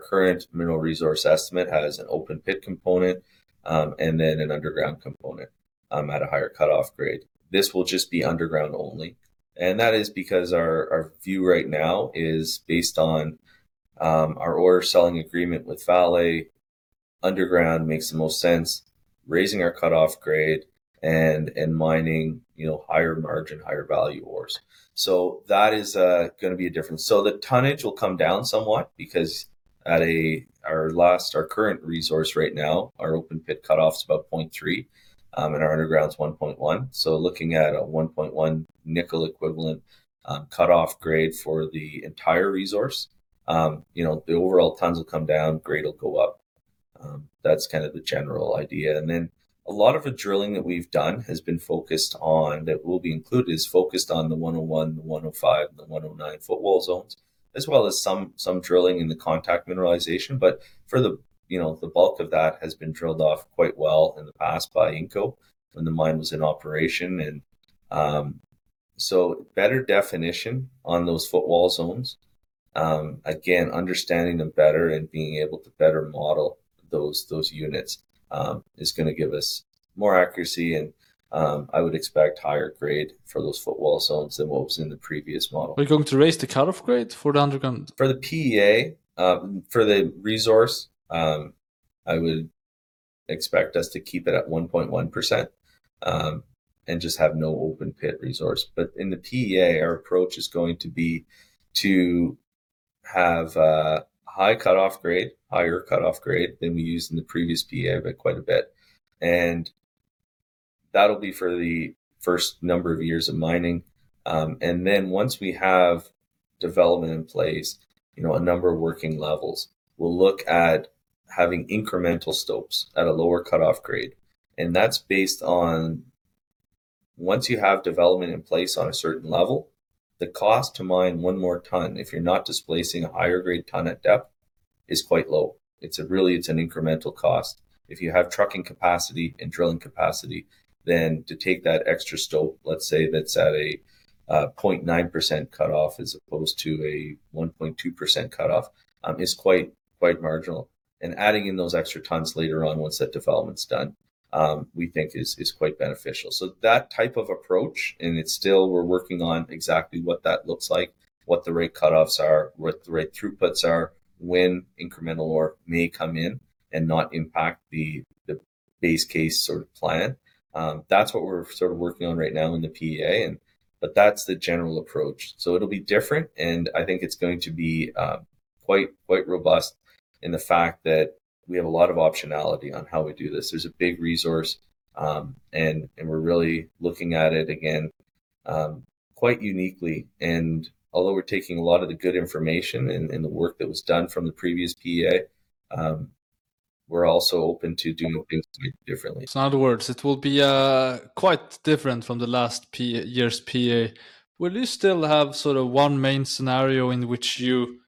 current mineral resource estimate has an open-pit component, and then an underground component at a higher cut-off grade. This will just be underground only, and that is because our view right now is based on our ore selling agreement with Vale. Underground makes the most sense, raising our cut-off grade and mining, you know, higher margin, higher value ores. So that is gonna be a difference. So the tonnage will come down somewhat because our last... Our current resource right now, our open pit cut-off is about 0.3, and our underground is 1.1. So looking at a 1.1 nickel-equivalent cut-off grade for the entire resource, you know, the overall tons will come down, grade will go up.... That's kind of the general idea. And then a lot of the drilling that we've done has been focused on, that will be included, is focused on the 101, the 105, and the 109 Footwall Zones, as well as some drilling in the contact mineralization. But for the, you know, the bulk of that has been drilled off quite well in the past by Inco, when the mine was in operation. And, so better definition on those Footwall Zones. Again, understanding them better and being able to better model those, those units is gonna give us more accuracy, and I would expect higher grade for those footwall zones than what was in the previous model. Are you going to raise the Cut-off Grade for the underground? For the PEA, for the resource, I would expect us to keep it at 1.1%, and just have no open pit resource. But in the PEA, our approach is going to be to have a high cut-off grade, higher cut-off grade than we used in the previous PEA by quite a bit, and that'll be for the first number of years of mining. And then once we have development in place, you know, a number of working levels, we'll look at having incremental stopes at a lower cut-off grade, and that's based on... Once you have development in place on a certain level, the cost to mine one more ton, if you're not displacing a higher grade ton at depth, is quite low. It's a really, it's an incremental cost. If you have trucking capacity and drilling capacity, then to take that extra stope, let's say that's at a 0.9% cut-off as opposed to a 1.2% cut-off, is quite, quite marginal. And adding in those extra tons later on, once that development's done, we think is, is quite beneficial. So that type of approach, and it's still we're working on exactly what that looks like, what the right cut-offs are, what the right throughputs are, when incremental ore may come in and not impact the base case sort of plan. That's what we're sort of working on right now in the PEA. But that's the general approach. So it'll be different, and I think it's going to be quite, quite robust in the fact that we have a lot of optionality on how we do this. There's a big resource, and we're really looking at it again, quite uniquely. And although we're taking a lot of the good information and the work that was done from the previous PEA, we're also open to doing things differently. So in other words, it will be quite different from the last year's PEA. Will you still have sort of one main scenario in which you,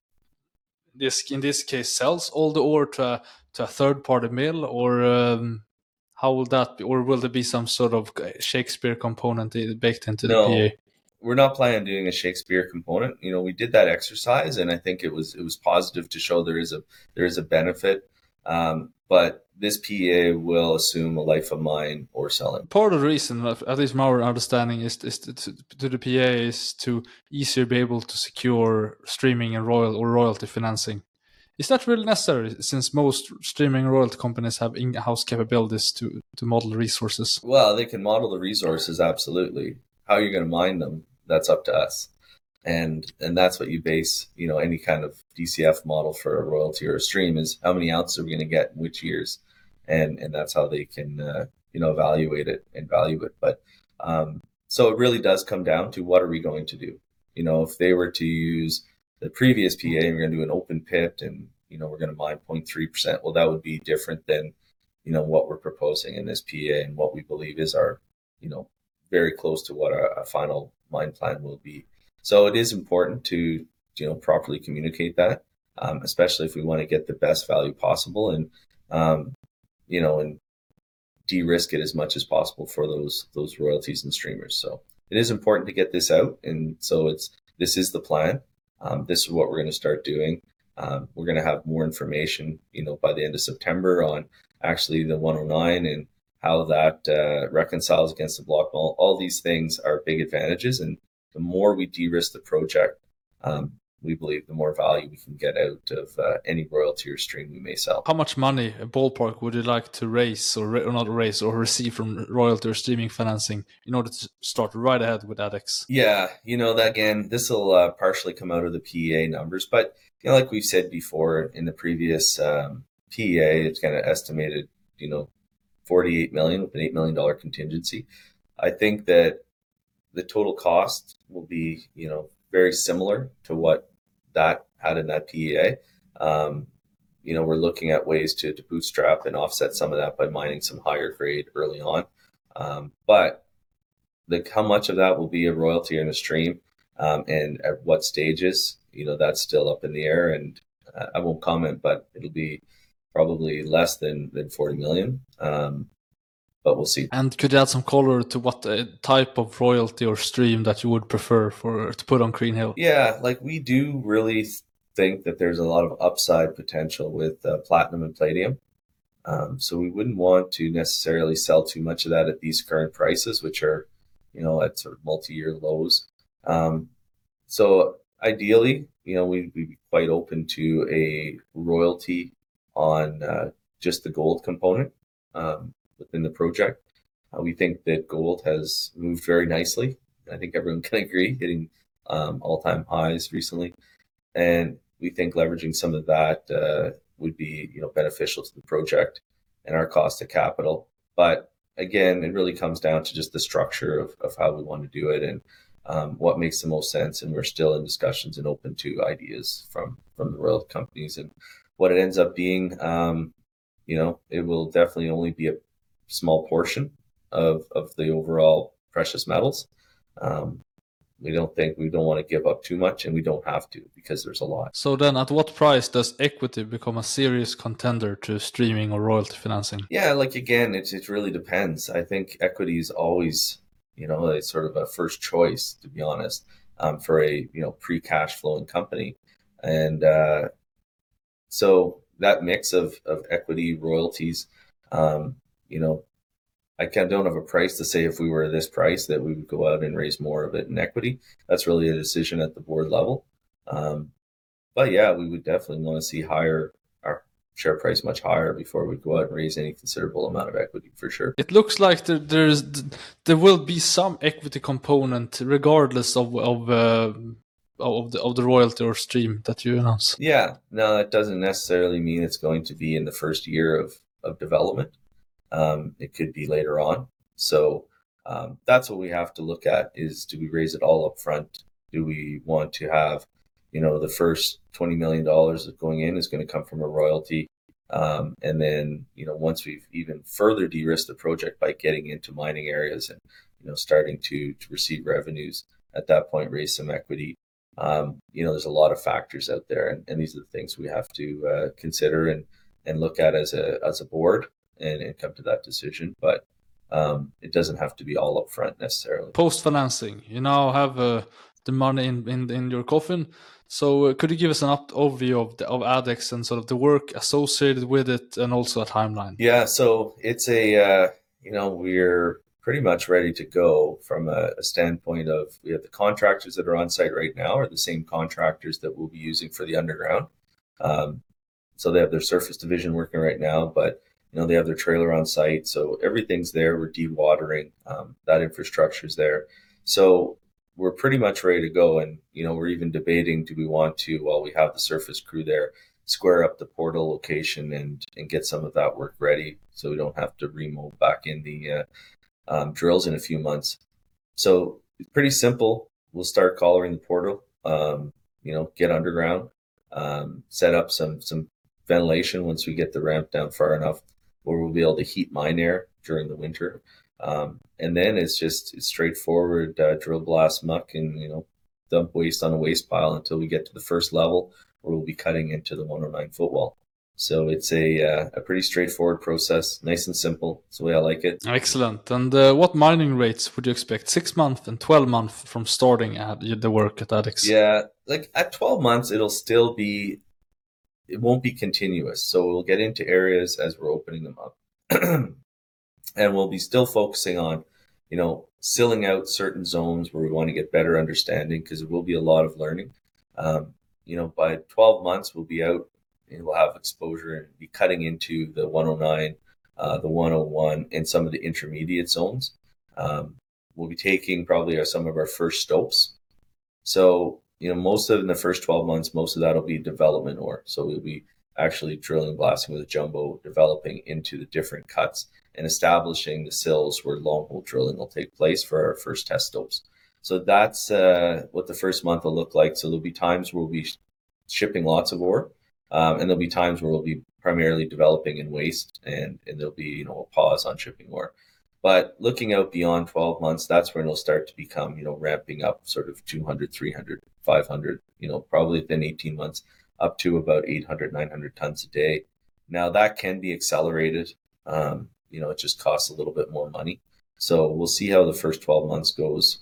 this, in this case, sells all the ore to a third-party mill? Or how will that... Or will there be some sort of Shakespeare component baked into the PEA? No, we're not planning on doing a Shakespeare component. You know, we did that exercise, and I think it was, it was positive to show there is a, there is a benefit, but this PEA will assume a life of mine ore selling. Part of the reason, at least my understanding, is to the PEA to easier be able to secure streaming and royalty financing. Is that really necessary since most streaming royalty companies have in-house capabilities to model resources? Well, they can model the resources, absolutely. How are you gonna mine them? That's up to us. And, and that's what you base, you know, any kind of DCF model for a royalty or a stream, is how many ounces are we gonna get in which years? And, and that's how they can, you know, evaluate it and value it. But, so it really does come down to what are we going to do? You know, if they were to use the previous PEA, and we're gonna do an open pit, and, you know, we're gonna mine 0.3%, well, that would be different than, you know, what we're proposing in this PEA and what we believe is our, you know, very close to what our, our final mine plan will be. So it is important to, you know, properly communicate that, especially if we want to get the best value possible and, you know, and de-risk it as much as possible for those, those royalties and streamers. So it is important to get this out, and so it's... This is the plan. This is what we're gonna start doing. We're gonna have more information, you know, by the end of September on actually the 109 and how that, reconciles against the block model. All these things are big advantages, and the more we de-risk the project, we believe the more value we can get out of, any royalty or stream we may sell. How much money, a ballpark, would you like to raise or, or not raise, or receive from royalty or streaming financing in order to start right ahead with ADEX? Yeah, you know, again, this will partially come out of the PEA numbers, but, you know, like we've said before, in the previous PEA, it's kinda estimated, you know, 48 million with a 8 million dollar contingency. I think that the total cost will be, you know, very similar to what that had in that PEA. You know, we're looking at ways to bootstrap and offset some of that by mining some higher grade early on. But how much of that will be a royalty and a stream, and at what stages, you know, that's still up in the air, and I won't comment, but it'll be probably less than 40 million. But we'll see. Could you add some color to what type of royalty or stream that you would prefer for, to put on Crean Hill? Yeah. Like, we do really think that there's a lot of upside potential with platinum and palladium, so we wouldn't want to necessarily sell too much of that at these current prices, which are, you know, at sort of multi-year lows. So ideally, you know, we, we'd be quite open to a royalty on just the gold component within the project. We think that gold has moved very nicely. I think everyone can agree, hitting all-time highs recently, and we think leveraging some of that would be, you know, beneficial to the project... and our cost of capital. But again, it really comes down to just the structure of how we want to do it, and what makes the most sense, and we're still in discussions and open to ideas from the royalty companies. What it ends up being, you know, it will definitely only be a small portion of the overall precious metals. We don't think we wanna give up too much, and we don't have to, because there's a lot. So then at what price does equity become a serious contender to streaming or royalty financing? Yeah, like, again, it really depends. I think equity is always, you know, a sort of a first choice, to be honest, for a, you know, pre-cash flowing company. And, so that mix of equity royalties, you know, I kind of don't have a price to say if we were at this price, that we would go out and raise more of it in equity. That's really a decision at the board level. But yeah, we would definitely wanna see higher... our share price much higher before we go out and raise any considerable amount of equity, for sure. It looks like there will be some equity component regardless of the royalty or stream that you announce. Yeah. Now, that doesn't necessarily mean it's going to be in the first year of development. It could be later on. So, that's what we have to look at, is do we raise it all upfront? Do we want to have, you know, the first 20 million dollars that's going in is gonna come from a royalty, and then, you know, once we've even further de-risked the project by getting into mining areas and, you know, starting to receive revenues, at that point, raise some equity. You know, there's a lot of factors out there, and these are the things we have to consider and look at as a board and come to that decision, but it doesn't have to be all upfront necessarily. Post-financing, you now have the money in your coffin. So could you give us an overview of Adex and sort of the work associated with it, and also a timeline? Yeah. So it's a, You know, we're pretty much ready to go from a standpoint of we have the contractors that are on site right now are the same contractors that we'll be using for the underground. So they have their surface division working right now, but, you know, they have their trailer on site, so everything's there. We're dewatering. That infrastructure's there. So we're pretty much ready to go. And, you know, we're even debating, do we want to, while we have the surface crew there, square up the portal location and, and get some of that work ready, so we don't have to remove back in the, drills in a few months? So it's pretty simple. We'll start collaring the portal, you know, get underground, set up some ventilation once we get the ramp down far enough, where we'll be able to heat mine air during the winter. And then it's just straightforward, drill, blast, muck, and, you know, dump waste on a waste pile until we get to the first level, where we'll be cutting into the 109 Footwall. So it's a pretty straightforward process, nice and simple. It's the way I like it. Excellent. And, what mining rates would you expect, 6 months and 12 months from starting at the work at ADEX? Yeah. Like, at 12 months, it'll still be... It won't be continuous. So we'll get into areas as we're opening them up, and we'll be still focusing on, you know, sealing out certain zones where we want to get better understanding, 'cause it will be a lot of learning. You know, by 12 months, we'll be out, and we'll have exposure and be cutting into the 109, the 101, and some of the intermediate zones. We'll be taking probably some of our first stopes. So, you know, most of them in the first 12 months, most of that will be development ore. So we'll be actually drilling and blasting with a jumbo, developing into the different cuts and establishing the sills, where longhole drilling will take place for our first test stopes. So that's what the first month will look like. So there'll be times where we'll be shipping lots of ore, and there'll be times where we'll be primarily developing in waste, and there'll be, you know, a pause on shipping ore. But looking out beyond 12 months, that's when it'll start to become, you know, ramping up sort of 200, 300, 500, you know, probably within 18 months, up to about 800-900 tons a day. Now, that can be accelerated. You know, it just costs a little bit more money. So we'll see how the first 12 months goes,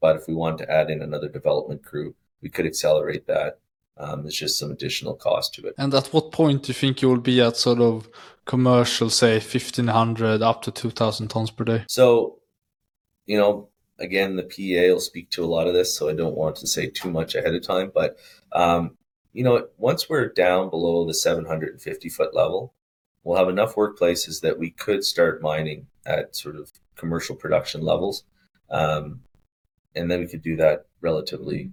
but if we wanted to add in another development crew, we could accelerate that. There's just some additional cost to it. At what point do you think you will be at sort of commercial, say, 1,500-2,000 tons per day? So, you know, again, the PEA will speak to a lot of this, so I don't want to say too much ahead of time, but, you know what? Once we're down below the 750-foot level, we'll have enough workplaces that we could start mining at sort of commercial production levels. And then we could do that relatively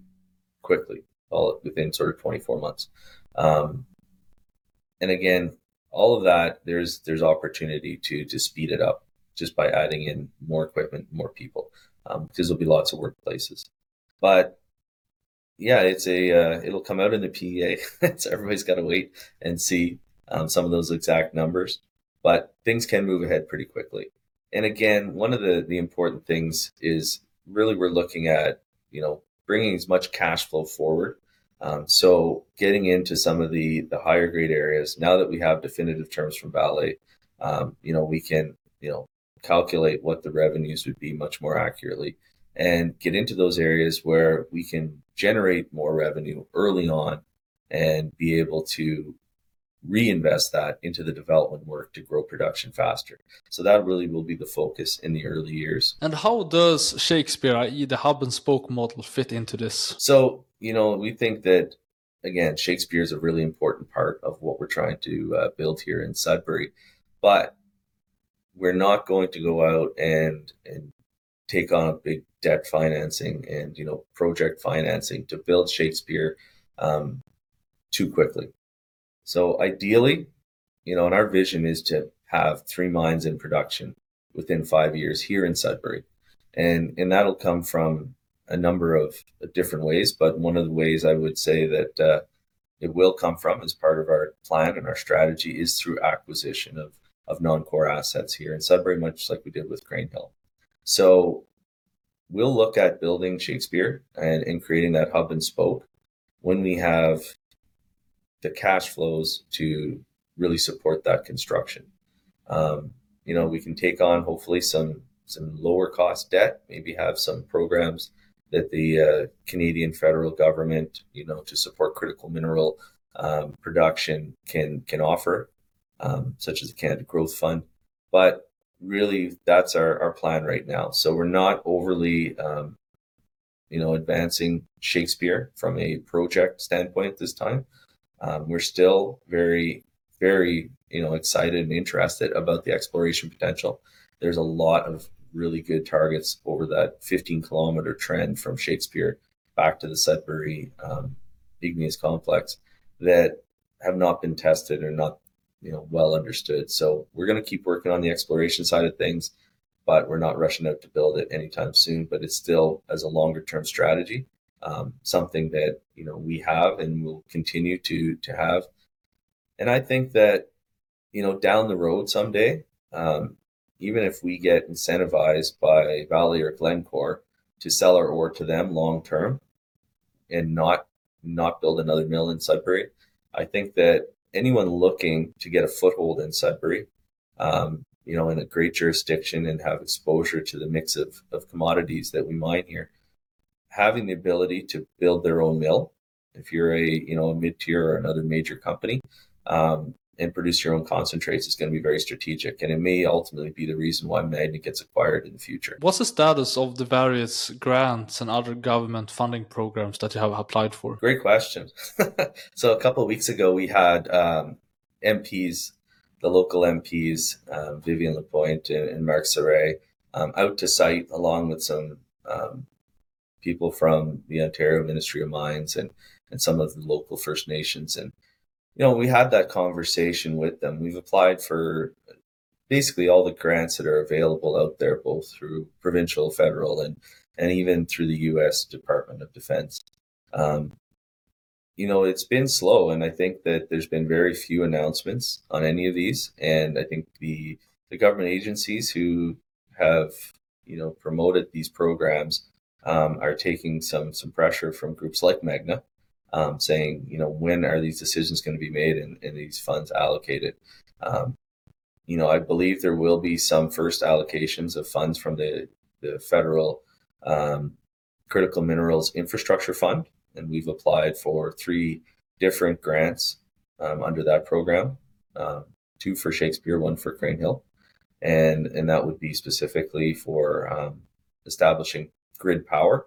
quickly, well, within sort of 24 months. And again, all of that, there's opportunity to speed it up just by adding in more equipment, more people, because there'll be lots of workplaces. But yeah, it's a, it'll come out in the PEA. So everybody's gotta wait and see, some of those exact numbers, but things can move ahead pretty quickly. And again, one of the important things is really we're looking at, you know, bringing as much cash flow forward. So getting into some of the higher grade areas. Now that we have definitive terms from Vale, you know, we can, you know, calculate what the revenues would be much more accurately, and get into those areas where we can generate more revenue early on and be able to reinvest that into the development work to grow production faster. So that really will be the focus in the early years. How does Shakespeare, i.e., the hub and spoke model, fit into this? So, you know, we think that, again, Shakespeare is a really important part of what we're trying to build here in Sudbury, but we're not going to go out and take on a big debt financing and, you know, project financing to build Shakespeare too quickly. So ideally, you know, and our vision is to have three mines in production within five years here in Sudbury, and that'll come from a number of different ways. But one of the ways I would say that it will come from, as part of our plan and our strategy, is through acquisition of non-core assets here in Sudbury, much like we did with Crean Hill. So we'll look at building Shakespeare and creating that hub-and-spoke when we have the cash flows to really support that construction. You know, we can take on hopefully some, some lower-cost debt, maybe have some programs that the Canadian federal government, you know, to support critical mineral production can, can offer, such as the Canada Growth Fund. But really, that's our, our plan right now. So we're not overly, you know, advancing Shakespeare from a project standpoint this time. We're still very, very, you know, excited and interested about the exploration potential. There's a lot of really good targets over that 15-kilometer trend from Shakespeare back to the Sudbury Igneous Complex that have not been tested or not, you know, well understood. So we're gonna keep working on the exploration side of things, but we're not rushing out to build it anytime soon. But it's still, as a longer-term strategy, something that, you know, we have and will continue to, to have. I think that, you know, down the road someday, even if we get incentivized by Vale or Glencore to sell our ore to them long-term and not, not build another mill in Sudbury, I think that anyone looking to get a foothold in Sudbury, you know, in a great jurisdiction, and have exposure to the mix of, of commodities that we mine here, having the ability to build their own mill, if you're a, you know, a mid-tier or another major company, and produce your own concentrates, is gonna be very strategic, and it may ultimately be the reason why Magna gets acquired in the future. What's the status of the various grants and other government funding programs that you have applied for? Great question. So a couple of weeks ago, we had MPs, the local MPs, Viviane Lapointe and Marc Serré out to site, along with some people from the Ontario Ministry of Mines and, and some of the local First Nations, and, you know, we had that conversation with them. We've applied for basically all the grants that are available out there, both through provincial, federal, and, and even through the US Department of Defense. You know, it's been slow, and I think that there's been very few announcements on any of these, and I think the government agencies who have, you know, promoted these programs, are taking some pressure from groups like Magna, saying: "You know, when are these decisions gonna be made and these funds allocated?" You know, I believe there will be some first allocations of funds from the federal Critical Minerals Infrastructure Fund, and we've applied for three different grants under that program. Two for Shakespeare, one for Crean Hill, and that would be specifically for establishing grid power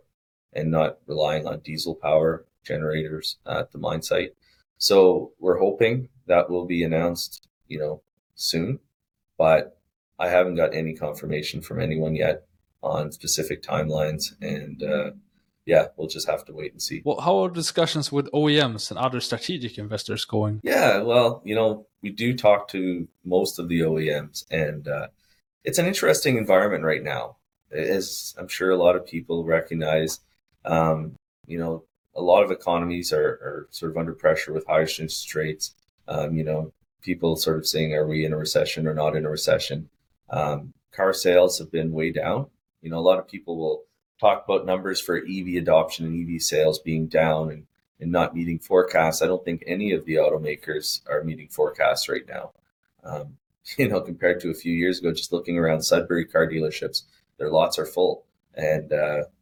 and not relying on diesel power generators at the mine site. So we're hoping that will be announced, you know, soon. I haven't got any confirmation from anyone yet on specific timelines, and, yeah, we'll just have to wait and see. Well, how are discussions with OEMs and other strategic investors going? Yeah, well, you know, we do talk to most of the OEMs, and it's an interesting environment right now. As I'm sure a lot of people recognize, you know, a lot of economies are sort of under pressure with higher interest rates. You know, people sort of saying, "Are we in a recession or not in a recession?" Car sales have been way down. You know, a lot of people will talk about numbers for EV adoption and EV sales being down and not meeting forecasts. I don't think any of the automakers are meeting forecasts right now. You know, compared to a few years ago, just looking around Sudbury car dealerships, their lots are full and,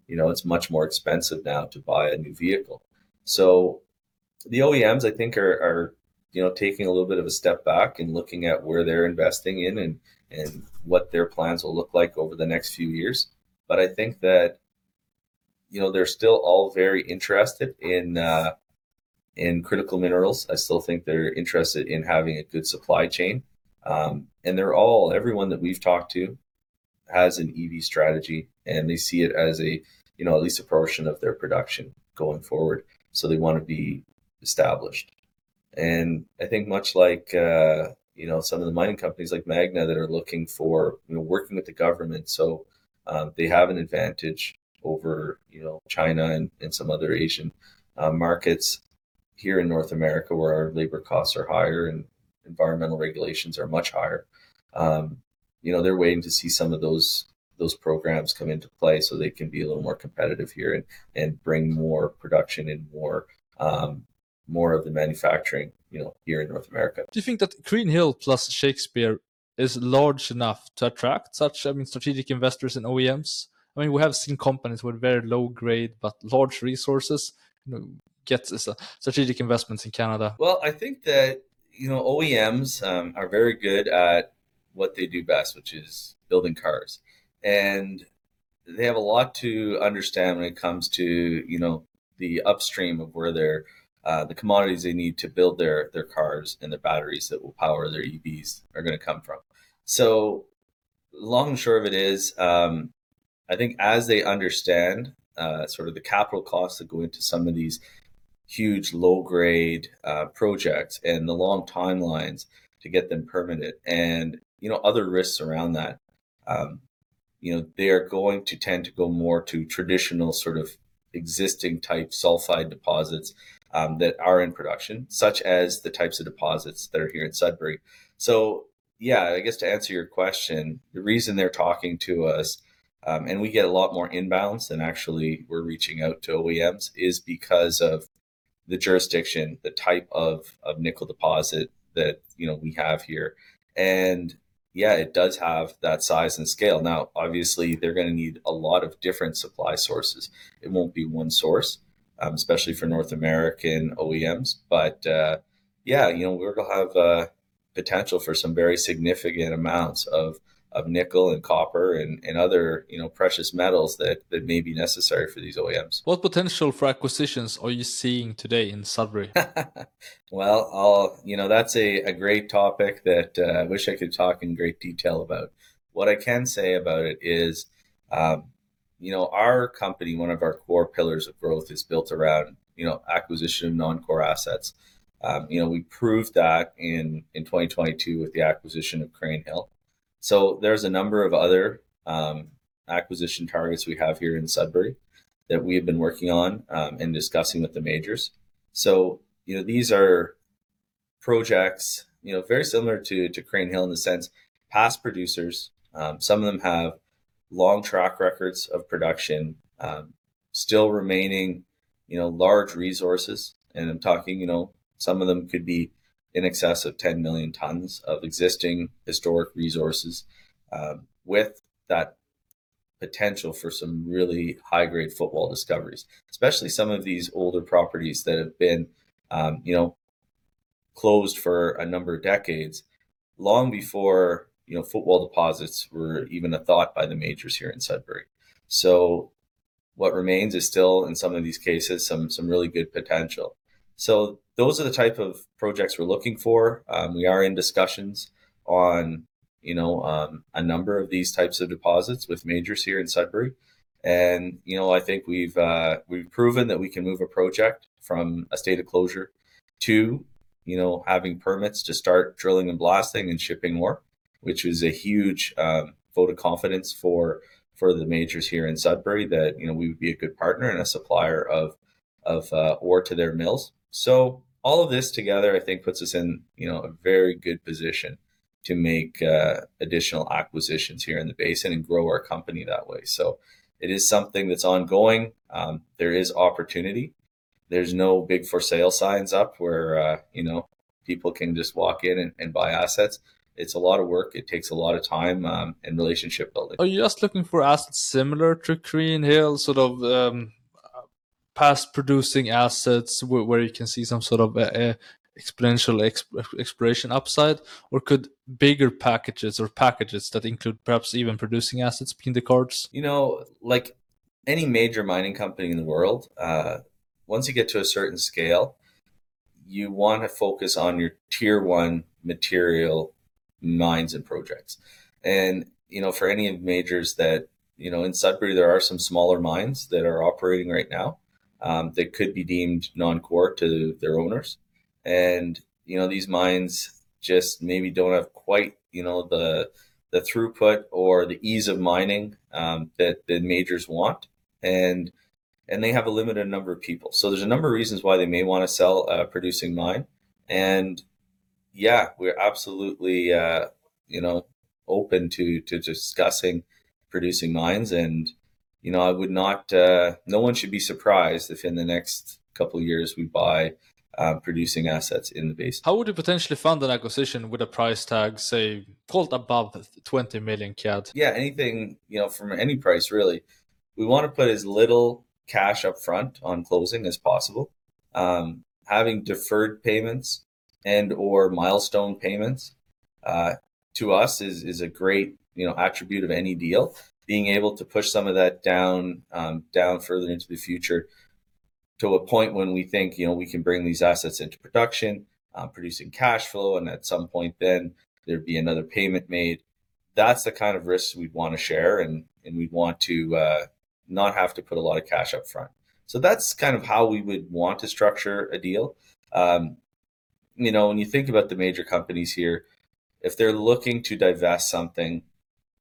you know, it's much more expensive now to buy a new vehicle. So the OEMs, I think, are, you know, taking a little bit of a step back and looking at where they're investing in and what their plans will look like over the next few years. But I think that, you know, they're still all very interested in in critical minerals. I still think they're interested in having a good supply chain. And they're all... everyone that we've talked to has an EV strategy, and they see it as a, you know, at least a portion of their production going forward, so they wanna be established. And I think much like, you know, some of the mining companies like Magna, that are looking for, you know, working with the government, so they have an advantage over, you know, China and some other Asian markets. Here in North America, where our labor costs are higher and environmental regulations are much higher, you know, they're waiting to see some of those programs come into play so they can be a little more competitive here and bring more production and more of the manufacturing, you know, here in North America. Do you think that Crean Hill plus Shakespeare is large enough to attract such, I mean, strategic investors and OEMs? I mean, we have seen companies with very low grade, but large resources, you know, get a strategic investments in Canada. Well, I think that, you know, OEMs are very good at what they do best, which is building cars. They have a lot to understand when it comes to, you know, the upstream of where their, the commodities they need to build their, their cars and the batteries that will power their EVs are gonna come from. So long and short of it is, I think as they understand, sort of the capital costs that go into some of these huge low-grade projects and the long timelines to get them permitted and, you know, other risks around that, you know, they are going to tend to go more to traditional, sort of, existing type sulfide deposits that are in production, such as the types of deposits that are here in Sudbury. So yeah, I guess to answer your question, the reason they're talking to us, and we get a lot more inbounds than actually we're reaching out to OEMs, is because of the jurisdiction, the type of nickel deposit that, you know, we have here. And yeah, it does have that size and scale. Now, obviously, they're gonna need a lot of different supply sources. It won't be one source, especially for North American OEMs. But yeah, you know, we're gonna have potential for some very significant amounts of nickel and copper and other, you know, precious metals that may be necessary for these OEMs. What potential for acquisitions are you seeing today in Sudbury? Well, I'll... You know, that's a great topic that I wish I could talk in great detail about. What I can say about it is, you know, our company, one of our core pillars of growth is built around, you know, acquisition of non-core assets. You know, we proved that in 2022 with the acquisition of Crean Hill. So there's a number of other acquisition targets we have here in Sudbury that we have been working on, and discussing with the majors. So, you know, these are projects, you know, very similar to Crean Hill in the sense, past producers, some of them have long track records of production, still remaining, you know, large resources, and I'm talking, you know, some of them could be in excess of 10 million tons of existing historic resources, with that potential for some really high-grade footwall discoveries. Especially some of these older properties that have been, you know, closed for a number of decades, long before, you know, footwall deposits were even a thought by the majors here in Sudbury. So what remains is still, in some of these cases, some really good potential. So those are the type of projects we're looking for. We are in discussions on, you know, a number of these types of deposits with majors here in Sudbury. And, you know, I think we've proven that we can move a project from a state of closure to, you know, having permits to start drilling and blasting and shipping ore, which is a huge vote of confidence for the majors here in Sudbury, that, you know, we would be a good partner and a supplier of ore to their mills. So all of this together, I think, puts us in, you know, a very good position to make additional acquisitions here in the basin and grow our company that way. So it is something that's ongoing. There is opportunity. There's no big for sale signs up where, you know, people can just walk in and buy assets. It's a lot of work, it takes a lot of time, and relationship building. Are you just looking for assets similar to Crean Hill, sort of, past producing assets where you can see some sort of a experiential exploration upside, or could bigger packages or packages that include perhaps even producing assets be in the cards? You know, like any major mining company in the world, once you get to a certain scale, you wanna focus on your tier one material mines and projects. And, you know, for any majors that... You know, in Sudbury, there are some smaller mines that are operating right now, that could be deemed non-core to their owners. And, you know, these mines just maybe don't have quite, you know, the throughput or the ease of mining, that the majors want, and they have a limited number of people. So there's a number of reasons why they may wanna sell a producing mine. And yeah, we're absolutely, you know, open to discussing producing mines, and, you know, I would not... No one should be surprised if in the next couple of years we buy producing assets in the basin. How would you potentially fund an acquisition with a price tag, say, pulled above 20 million CAD? Yeah, anything, you know, from any price really, we wanna put as little cash up front on closing as possible. Having deferred payments and/or milestone payments to us is a great, you know, attribute of any deal. Being able to push some of that down down further into the future, to a point when we think, you know, we can bring these assets into production, producing cash flow, and at some point then, there'd be another payment made. That's the kind of risk we'd wanna share, and we'd want to not have to put a lot of cash up front. So that's kind of how we would want to structure a deal. You know, when you think about the major companies here, if they're looking to divest something,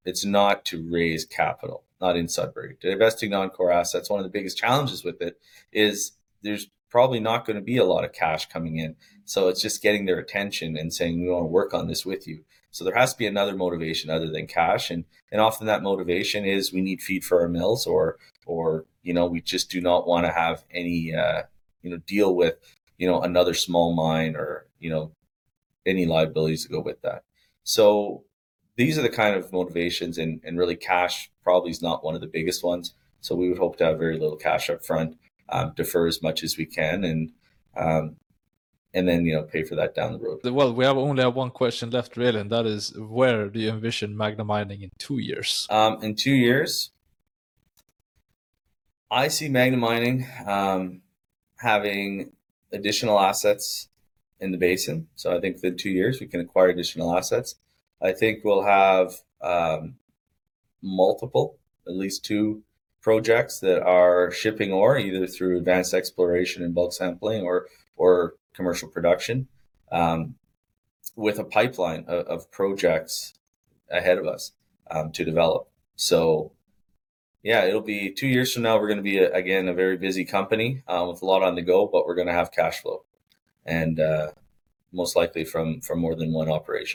it's not to raise capital, not in Sudbury. Divesting non-core assets, one of the biggest challenges with it is there's probably not gonna be a lot of cash coming in, so it's just getting their attention and saying: "We wanna work on this with you." So there has to be another motivation other than cash, and, and often that motivation is we need feed for our mills or, or, you know, we just do not wanna have any, you know, deal with, you know, another small mine or, you know, any liabilities to go with that. So these are the kind of motivations, and, and really, cash probably is not one of the biggest ones, so we would hope to have very little cash up front, defer as much as we can, and, and then, you know, pay for that down the road. Well, we only have one question left, really, and that is: Where do you envision Magna Mining in two years? In two years, I see Magna Mining having additional assets in the basin. So I think within two years, we can acquire additional assets. I think we'll have multiple, at least two projects, that are shipping ore, either through advanced exploration and bulk sampling or commercial production, with a pipeline of projects ahead of us, to develop. So yeah, it'll be two years from now, we're gonna be, again, a very busy company, with a lot on the go, but we're gonna have cash flow, and most likely from more than one operation.